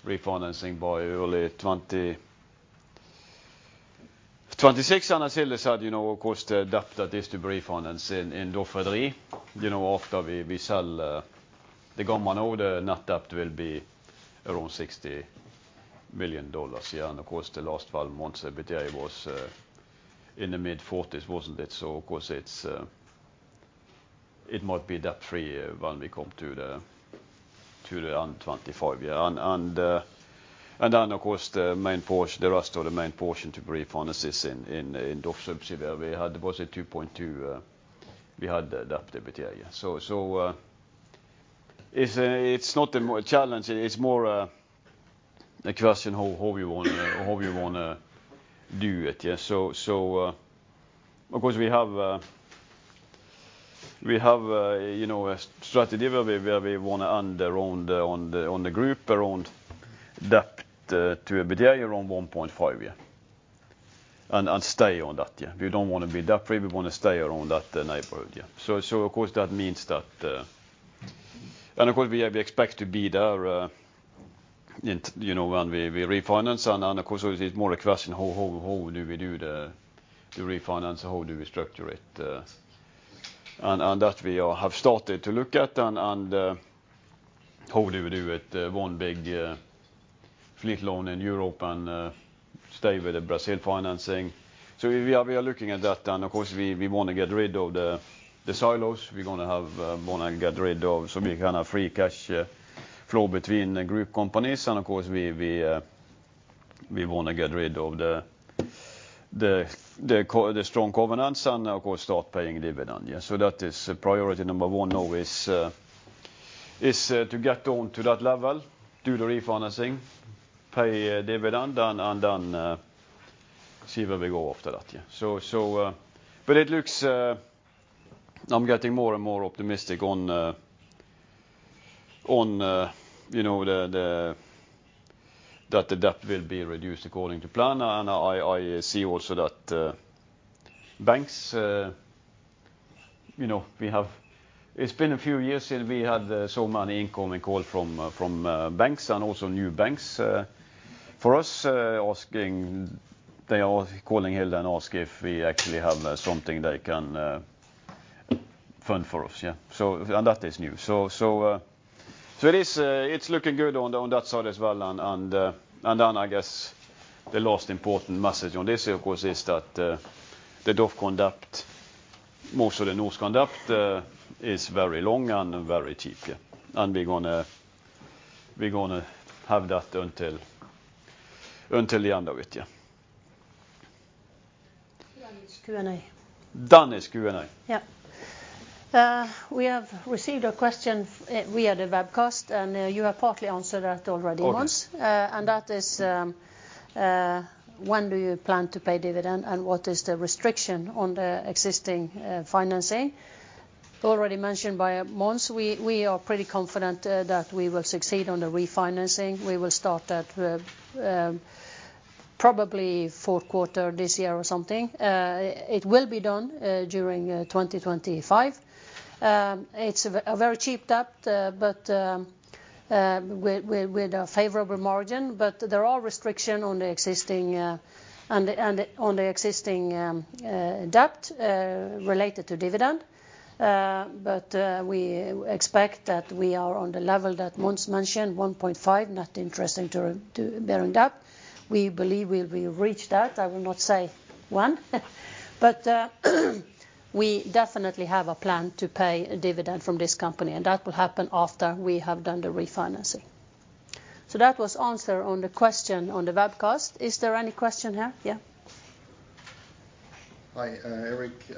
refinancing by early 2026. And as Hilde said, of course, the debt that is to be refinanced in DOF Rederi after we sell the Gamma now, the net debt will be around $60 million again. Of course, the last 12 months, EBITDA was in the mid-40s, wasn't it? So of course, it might be debt-free when we come to the end 2025. And then, of course, the rest of the main portion to be refinanced is in DOF Subsea. There was a 2.2x we had debt to EBITDA. So it's not a challenge. It's more a question of how we want to do it. So of course, we have a strategy where we want to end around the group, around debt to EBITDA around 1.5x and stay on that. We don't want to be debt-free. We want to stay around that neighborhood. So of course, that means that and of course, we expect to be there when we refinance. And of course, it's more a question of how do we do the refinance? How do we structure it? And that we have started to look at. And how do we do it? One big fleet loan in Europe and stay with the Brazil financing. So we are looking at that. And of course, we want to get rid of the silos we're going to have want to get rid of so we can have free cash flow between group companies. And of course, we want to get rid of the strong covenants and, of course, start paying dividends. So that is priority number one. Now is to get on to that level, do the refinancing, pay dividend, and then see where we go after that. But it looks I'm getting more and more optimistic on that the debt will be reduced according to plan. I see also that banks—we have—it's been a few years since we had so many incoming calls from banks and also new banks for us asking. They are calling Hilde and asking if we actually have something they can fund for us. That is new. It's looking good on that side as well. Then, I guess, the last important message on this, of course, is that the DOFCON debt, most of the Norskan debt, is very long and very cheap. We're going to have that until the end of it. Danish Q&A. Danish Q&A. Yeah. We have received a question via the webcast. You have partly answered that already, Mons Aase. That is, when do you plan to pay dividend? What is the restriction on the existing financing? Already mentioned by Mons Aase, we are pretty confident that we will succeed on the refinancing. We will start that probably fourth quarter this year or something. It will be done during 2025. It's a very cheap debt with a favorable margin. There are restrictions on the existing debt related to dividend. We expect that we are on the level that Mons mentioned, 1.5 net interest-bearing debt. We believe we will reach that. I will not say when. We definitely have a plan to pay a dividend from this company. That will happen after we have done the refinancing. So that was the answer on the question on the webcast. Is there any question here? Yeah? Hi, Erik.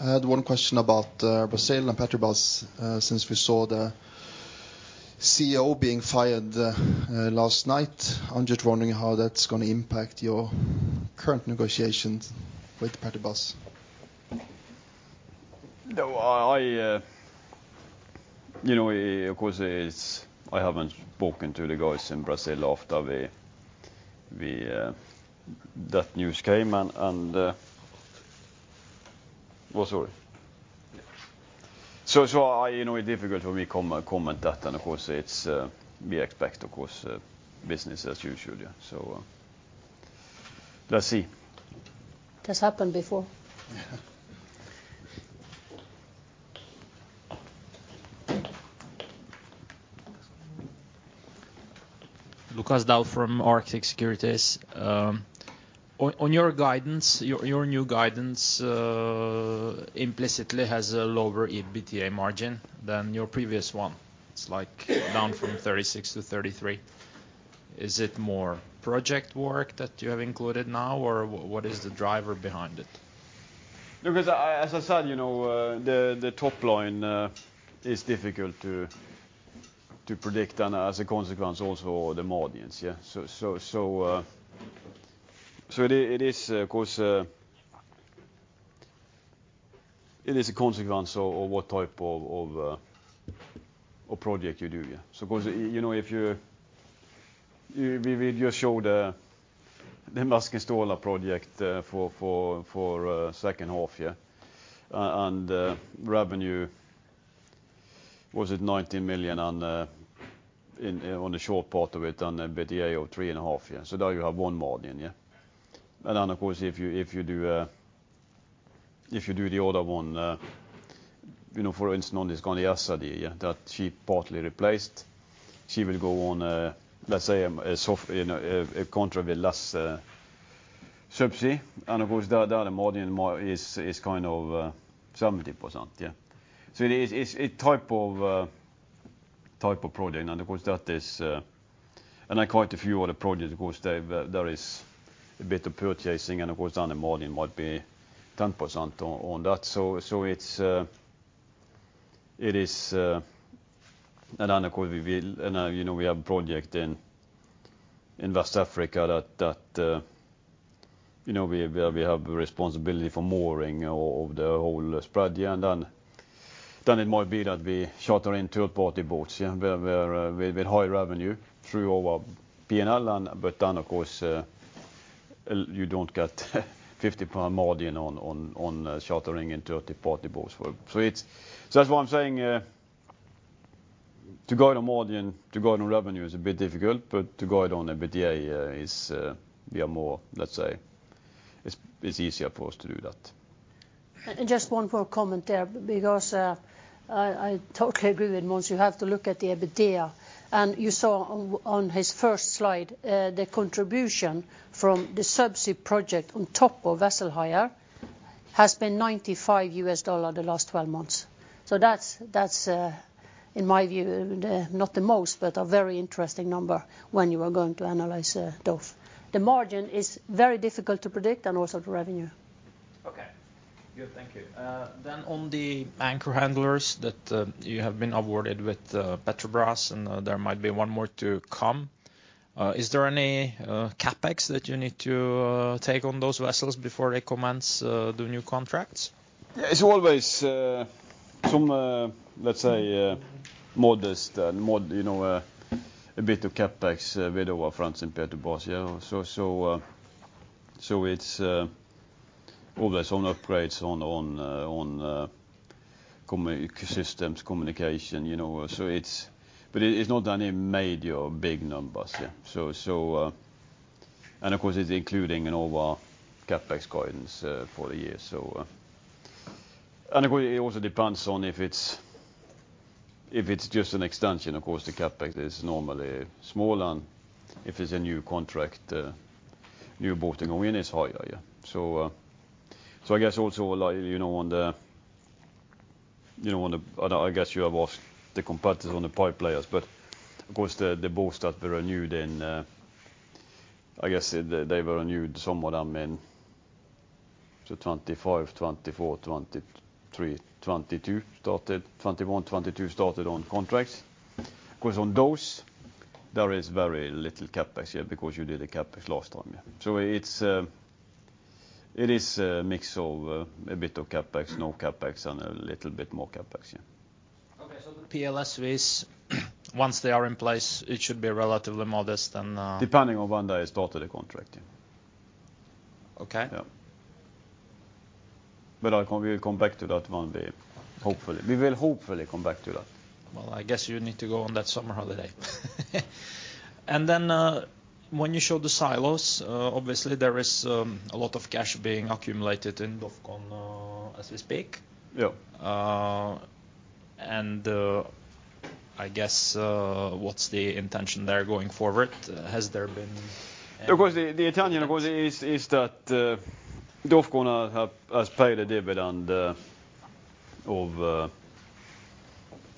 I had one question about Brazil and Petrobras. Since we saw the CEO being fired last night, I'm just wondering how that's going to impact your current negotiations with Petrobras. No, of course, I haven't spoken to the guys in Brazil after that news came. And what's all right? So it's difficult for me to comment that. And of course, we expect, of course, business as usual. So let's see. That's happened before. Lukas Daul from Arctic Securities. On your guidance, your new guidance implicitly has a lower EBITDA margin than your previous one. It's like down from 36% to 33%. Is it more project work that you have included now? Or what is the driver behind it? No, because as I said, the top line is difficult to predict. As a consequence, also, the margins. So it is, of course, it is a consequence of what type of project you do. So of course, if we just showed the Maskin Stola project for second half. And revenue, was it $19 million on the short part of it and EBITDA of $3.5 million? So there you have one margin. And then, of course, if you do the other one, for instance, on this Skandi Aase, that she partly replaced, she will go on, let's say, a contract with less subsea. And of course, there the margin is kind of 70%. So it's a type of project. And of course, that is, and there are quite a few other projects. Of course, there is a bit of purchasing. And of course, then the margin might be 10% on that. So it is, and then, of course, we have a project in West Africa that we have responsibility for mooring of the whole spread. And then it might be that we charter in third-party boats with high revenue through our P&L. But then, of course, you don't get 50% margin on chartering in third-party boats. So that's why I'm saying to guide on margin, to guide on revenue is a bit difficult. But to guide on EBITDA, we are more, let's say, it's easier for us to do that. Just one more comment there. Because I totally agree with Mons Aase. You have to look at the EBITDA. You saw on his first slide, the contribution from the subsea project on top of vessel hire has been $95 the last 12 months. That's, in my view, not the most, but a very interesting number when you are going to analyze DOF. The margin is very difficult to predict and also the revenue. Okay. Good. Thank you. Then on the anchor handlers that you have been awarded with Petrobras. And there might be one more to come. Is there any CapEx that you need to take on those vessels before they commence the new contracts? Yeah, it's always some, let's say, modest a bit of CapEx with our friends in Petrobras. So it's always some upgrades on systems, communication. But it's not any major big numbers. And of course, it's including our CapEx guidance for the year. And of course, it also depends on if it's just an extension. Of course, the CapEx is normally smaller. And if it's a new contract, new boating going in, it's higher. So I guess also on the I guess you have asked the competitors on the pipe layers. But of course, the boats that were renewed in I guess they were renewed, some of them, in so 2025, 2024, 2023, 2022 started 2021, 2022 started on contracts. Of course, on those, there is very little CapEx because you did the CapEx last time. It is a mix of a bit of CapEx, no CapEx, and a little bit more CapEx. Okay. So, PLSVs once they are in place, it should be relatively modest and. Depending on when they started the contract. Okay. Yeah. But we'll come back to that one day, hopefully. We will hopefully come back to that. Well, I guess you need to go on that summer holiday. And then when you showed the silos, obviously, there is a lot of cash being accumulated in DOFCON as we speak. Yeah. I guess what's the intention there going forward? Has there been. Of course, the intention, of course, is that DOFCON has paid a dividend to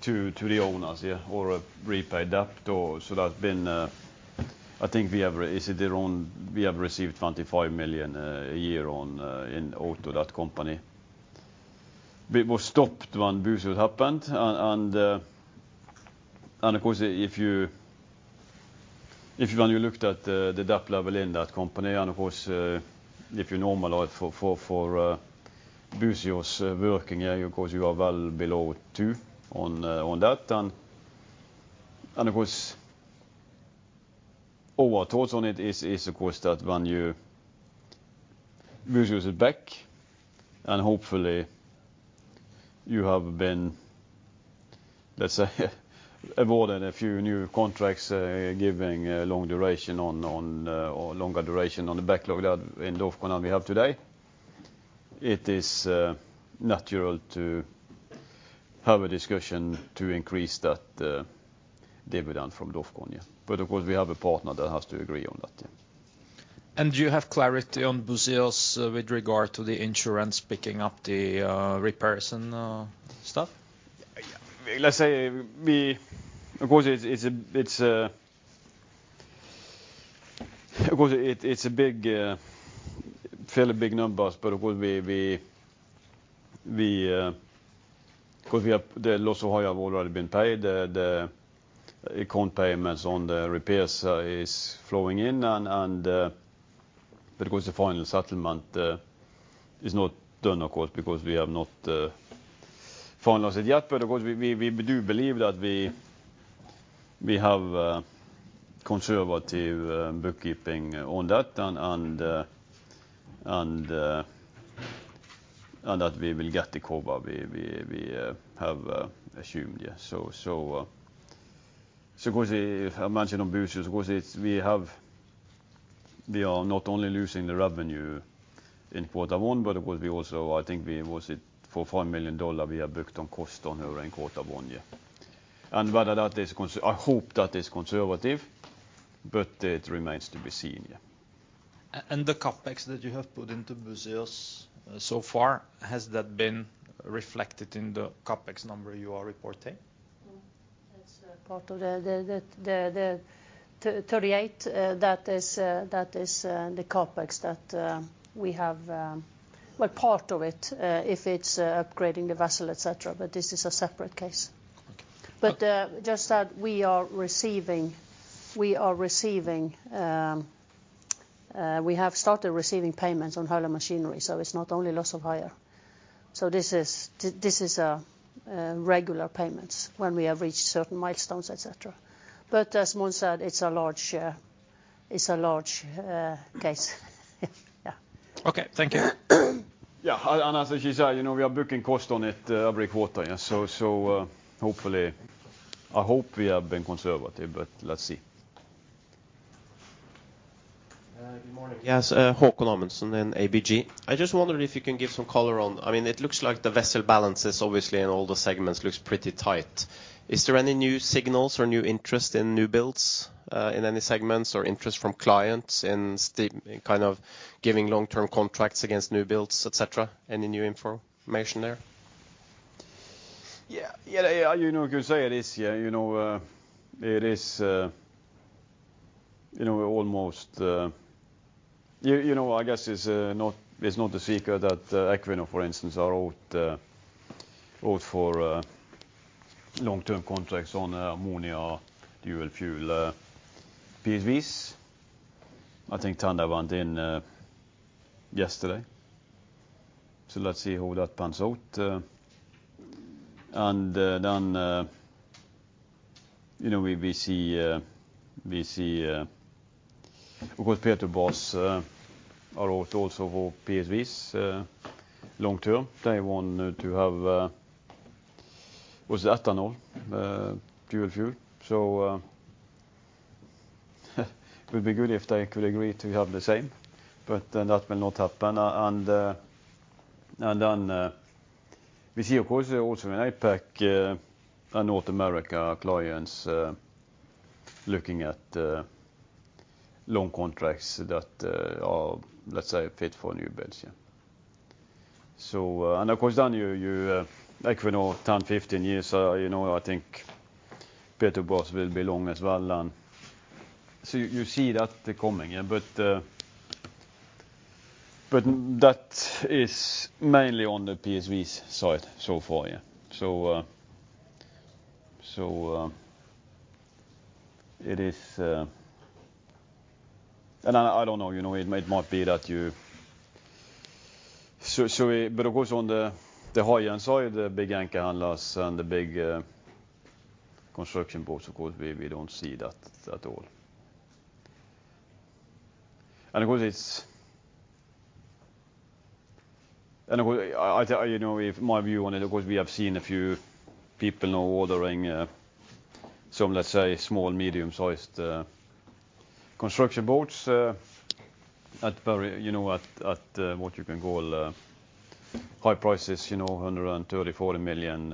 the owners or repaid debt. So there's been I think we have is it their own we have received $25 million a year in USD that company. It was stopped when Buzios happened. And of course, if you when you looked at the debt level in that company, and of course, if you normalize for Buzios working, of course, you are well below two on that. And of course, our thoughts on it is, of course, that when Buzios is back, and hopefully, you have been, let's say, awarded a few new contracts giving long duration on longer duration on the backlog that in DOFCON we have today, it is natural to have a discussion to increase that dividend from DOFCON. But of course, we have a partner that has to agree on that. Do you have clarity on Buzios with regard to the insurance picking up the repairs and stuff? Let's say, of course, it's a big, fairly big numbers. But of course, because we have the loss of hire have already been paid. The account payments on the repairs is flowing in. But of course, the final settlement is not done, of course, because we have not finalized it yet. But of course, we do believe that we have conservative bookkeeping on that and that we will get the cover we have assumed. So of course, I mentioned on Buzios, of course, we are not only losing the revenue in quarter one, but of course, we also, I think, was it for $5 million we have booked on cost on here in quarter one. And whether that is, I hope that is conservative. But it remains to be seen. The CapEx that you have put into Buzios so far, has that been reflected in the CapEx number you are reporting? Part of the 38, that is the CapEx that we have, well, part of it if it's upgrading the vessel, etc. But this is a separate case. But just that we are receiving; we have started receiving payments on hull and machinery. So it's not only loss of hire. So this is regular payments when we have reached certain milestones, etc. But as Mons said, it's a large case. Yeah. Okay. Thank you. Yeah. And as you said, we are booking cost on it every quarter. So hopefully, I hope we have been conservative. But let's see. Good morning. Yes, Haakon Amundsen in ABG. I just wondered if you can give some color on I mean, it looks like the vessel balances, obviously, in all the segments looks pretty tight. Is there any new signals or new interest in new builds in any segments or interest from clients in kind of giving long-term contracts against new builds, etc.? Any new information there? Yeah. Yeah. You can say it is. It is almost, I guess, it's not the secret that Equinor, for instance, are out for long-term contracts on ammonia dual fuel PSVs. I think tender went in yesterday. So let's see how that pans out. And then we see, of course, Petrobras are out also for PSVs long term. They want to have, was it ethanol dual fuel? So it would be good if they could agree to have the same. But that will not happen. And then we see, of course, also in APAC and North America clients looking at long contracts that are, let's say, fit for new builds. And of course, then you Equinor 10, 15 years, I think Petrobras will be long as well. And so you see that coming. But that is mainly on the PSVs side so far. So it is and then I don't know. It might be that, but of course, on the high-end side, the big anchor handlers and the big construction boats, of course, we don't see that at all. And of course, it's and of course, my view on it, of course, we have seen a few people now ordering some, let's say, small, medium-sized construction boats at very at what you can call high prices, $130 million-$140 million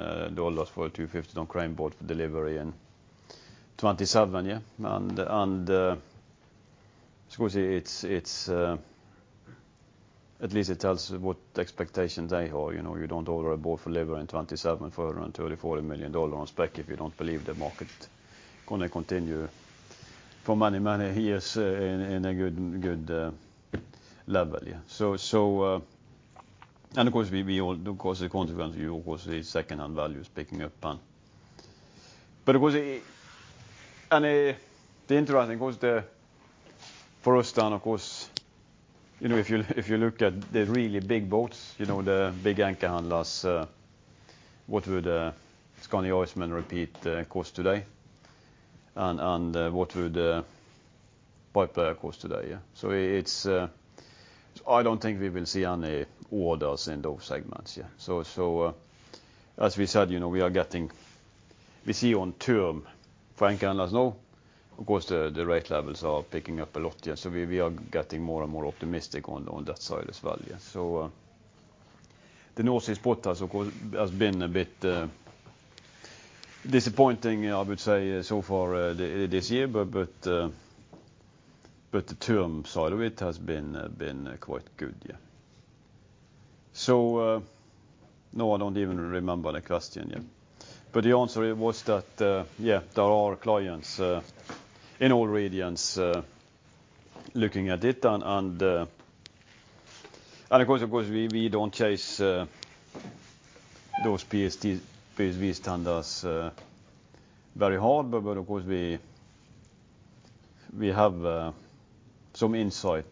for a 250-ton crane boat for delivery in 2027. And of course, it's at least it tells what expectations they have. You don't order a boat for delivery in 2027 for $130 million-$140 million on spec if you don't believe the market is going to continue for many, many years in a good level. And of course, we all of course, the consequence, of course, is second-hand values picking up. But of course, and the interesting thing is that for us then, of course, if you look at the really big boats, the big anchor handlers, what would Skandi Iceman repeat cost today? And what would the pipelayer cost today? So it's, I don't think we will see any orders in those segments. So as we said, we are getting we see on term for anchor handlers now, of course, the rate levels are picking up a lot. So we are getting more and more optimistic on that side as well. So the North Sea spot has, of course, been a bit disappointing, I would say, so far this year. But the term side of it has been quite good. So now I don't even remember the question. But the answer was that, yeah, there are clients in all regions looking at it. Of course, of course, we don't chase those PSVs tenders very hard. But of course, we have some insight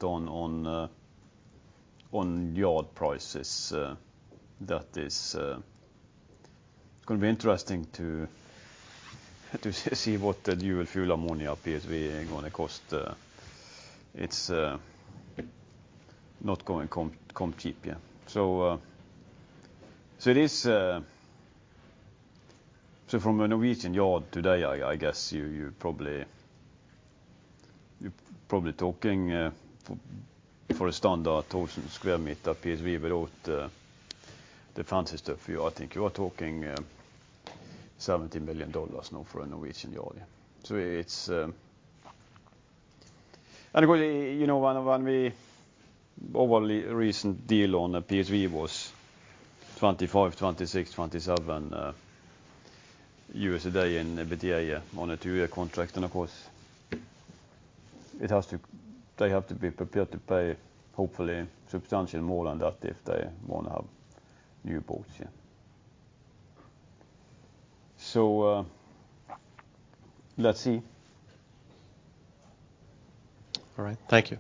on yard prices. That is going to be interesting to see what the dual fuel ammonia PSV is going to cost. It's not going to come cheap. So, it is so from a Norwegian yard today, I guess, you're probably talking for a standard 1,000 sq m PSV without the fancy stuff. I think you are talking $17 million now for a Norwegian yard. So, it's, and of course, you know, when our recent deal on a PSV was $25 million-$27 million in EBITDA on a two-year contract. And of course, they have to be prepared to pay, hopefully, substantially more than that if they want to have new boats. So let's see. All right. Thank you.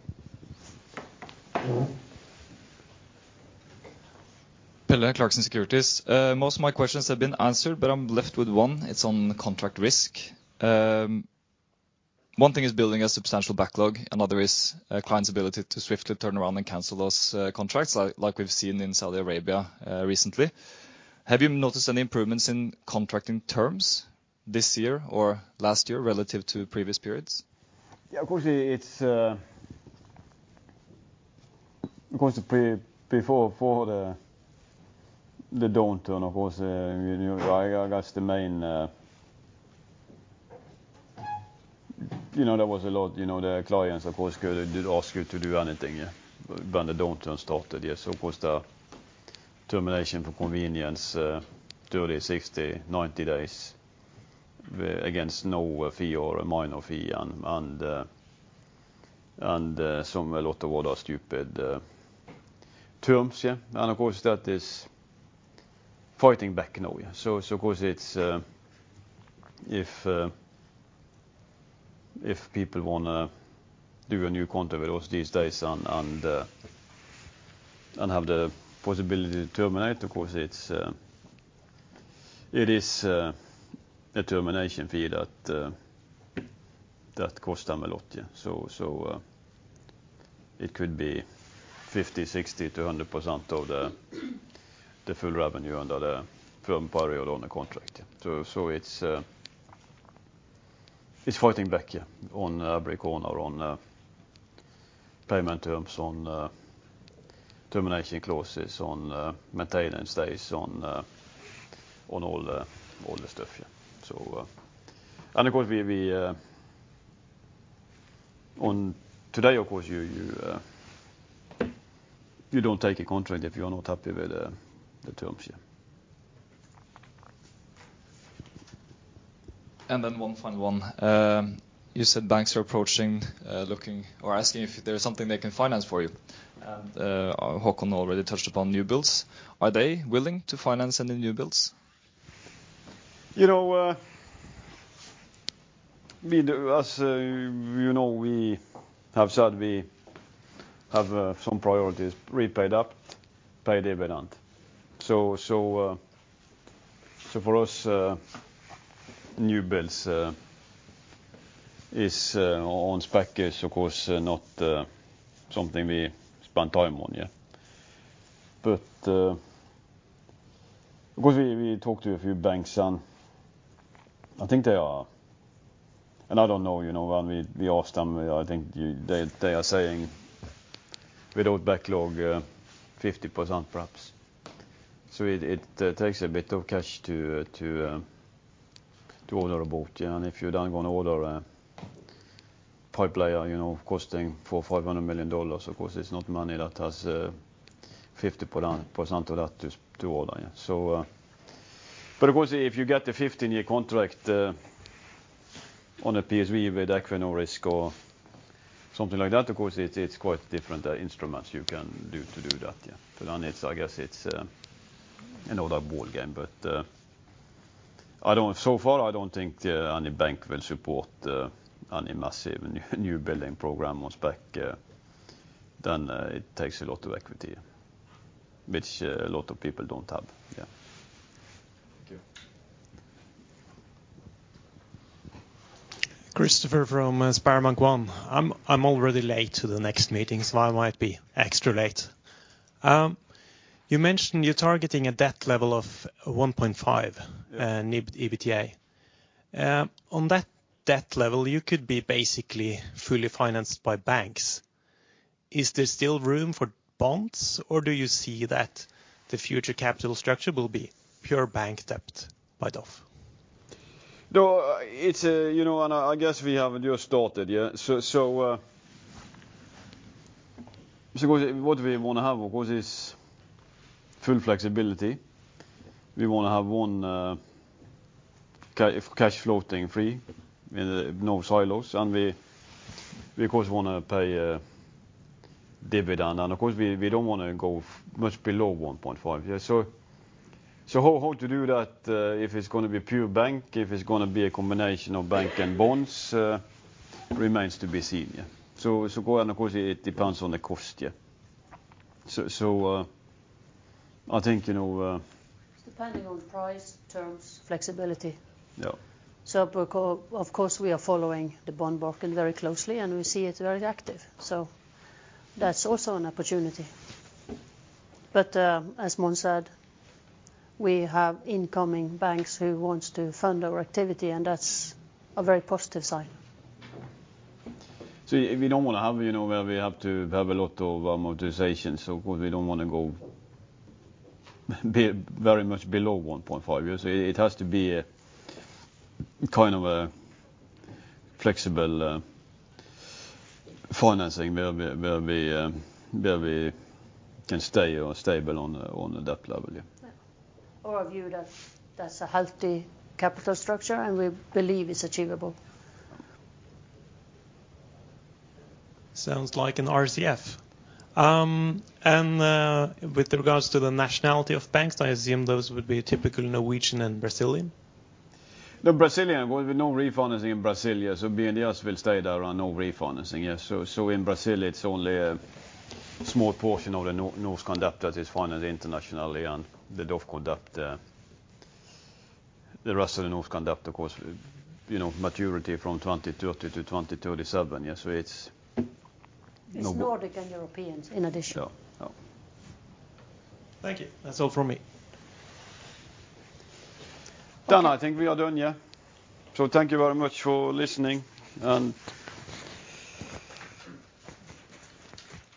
Hello. Clarksons Securities. Most of my questions have been answered, but I'm left with one. It's on contract risk. One thing is building a substantial backlog. Another is clients' ability to swiftly turn around and cancel those contracts like we've seen in Saudi Arabia recently. Have you noticed any improvements in contracting terms this year or last year relative to previous periods? Yeah. Of course, it's of course before the downturn, of course, I guess the main there was a lot the clients, of course, could ask you to do anything when the downturn started. So of course, the termination for convenience, 30 days, 60 days, 90 days against no fee or minor fee. And some lot of other stupid terms. And of course, that is fighting back now. So of course, it's if people want to do a new contract with us these days and have the possibility to terminate, of course, it's it is a termination fee that costs them a lot. So it could be 50%-60% to 100% of the full revenue under the firm period or on the contract. So it's fighting back on every corner on payment terms, on termination clauses, on maintenance days, on all the stuff. Of course, we want today, of course, you don't take a contract if you are not happy with the terms. And then one final one. You said banks are approaching, looking, or asking if there's something they can finance for you. And Haakon already touched upon new builds. Are they willing to finance any new builds? As you know, we have said we have some priorities: repay debt, pay dividend. So for us, new builds on spec is, of course, not something we spend time on. But of course, we talked to a few banks. And I think they are and I don't know. When we asked them, I think they are saying without backlog, 50%, perhaps. So it takes a bit of cash to order a boat. And if you then go and order a pipelayer costing $500 million, of course, it's not money that has 50% of that to order. But of course, if you get a 15-year contract on a PSV with Equinor or something like that, of course, it's quite different instruments you can do to do that. So then it's, I guess, another ball game. So far, I don't think any bank will support any massive new building program on spec. It takes a lot of equity, which a lot of people don't have. Thank you. Christopher from SpareBank 1 Markets. I'm already late to the next meeting. So I might be extra late. You mentioned you're targeting a debt level of 1.5 EBITDA. On that debt level, you could be basically fully financed by banks. Is there still room for bonds? Or do you see that the future capital structure will be pure bank debt by DOF? No. And I guess we haven't just started. So of course, what we want to have, of course, is full flexibility. We want to have one cash floating free, no silos. And we, of course, want to pay dividend. And of course, we don't want to go much below 1.5. So how to do that if it's going to be pure bank, if it's going to be a combination of bank and bonds remains to be seen. So go ahead. And of course, it depends on the cost. So I think. Depending on price, terms, flexibility. Of course, we are following the bond market very closely. We see it very active. That's also an opportunity. But as Mons said, we have incoming banks who want to fund our activity. That's a very positive sign. We don't want to have where we have to have a lot of amortization. So of course, we don't want to go very much below 1.5. So it has to be kind of a flexible financing where we can stay stable on the debt level. Or a view that's a healthy capital structure and we believe is achievable. Sounds like an RCF. With regards to the nationality of banks, I assume those would be typical Norwegian and Brazilian? No, Brazilian. With no refinancing in Brazil, so BNDES will stay there on no refinancing. So in Brazil, it's only a small portion of the Norskan debt that is financed internationally and the DOF debt. The rest of the Norskan debt, of course, maturity from 2030 to 2037. So it's. It's Nordic and Europeans, in addition. Yeah. Yeah. Thank you. That's all from me. Done. I think we are done. So thank you very much for listening. And.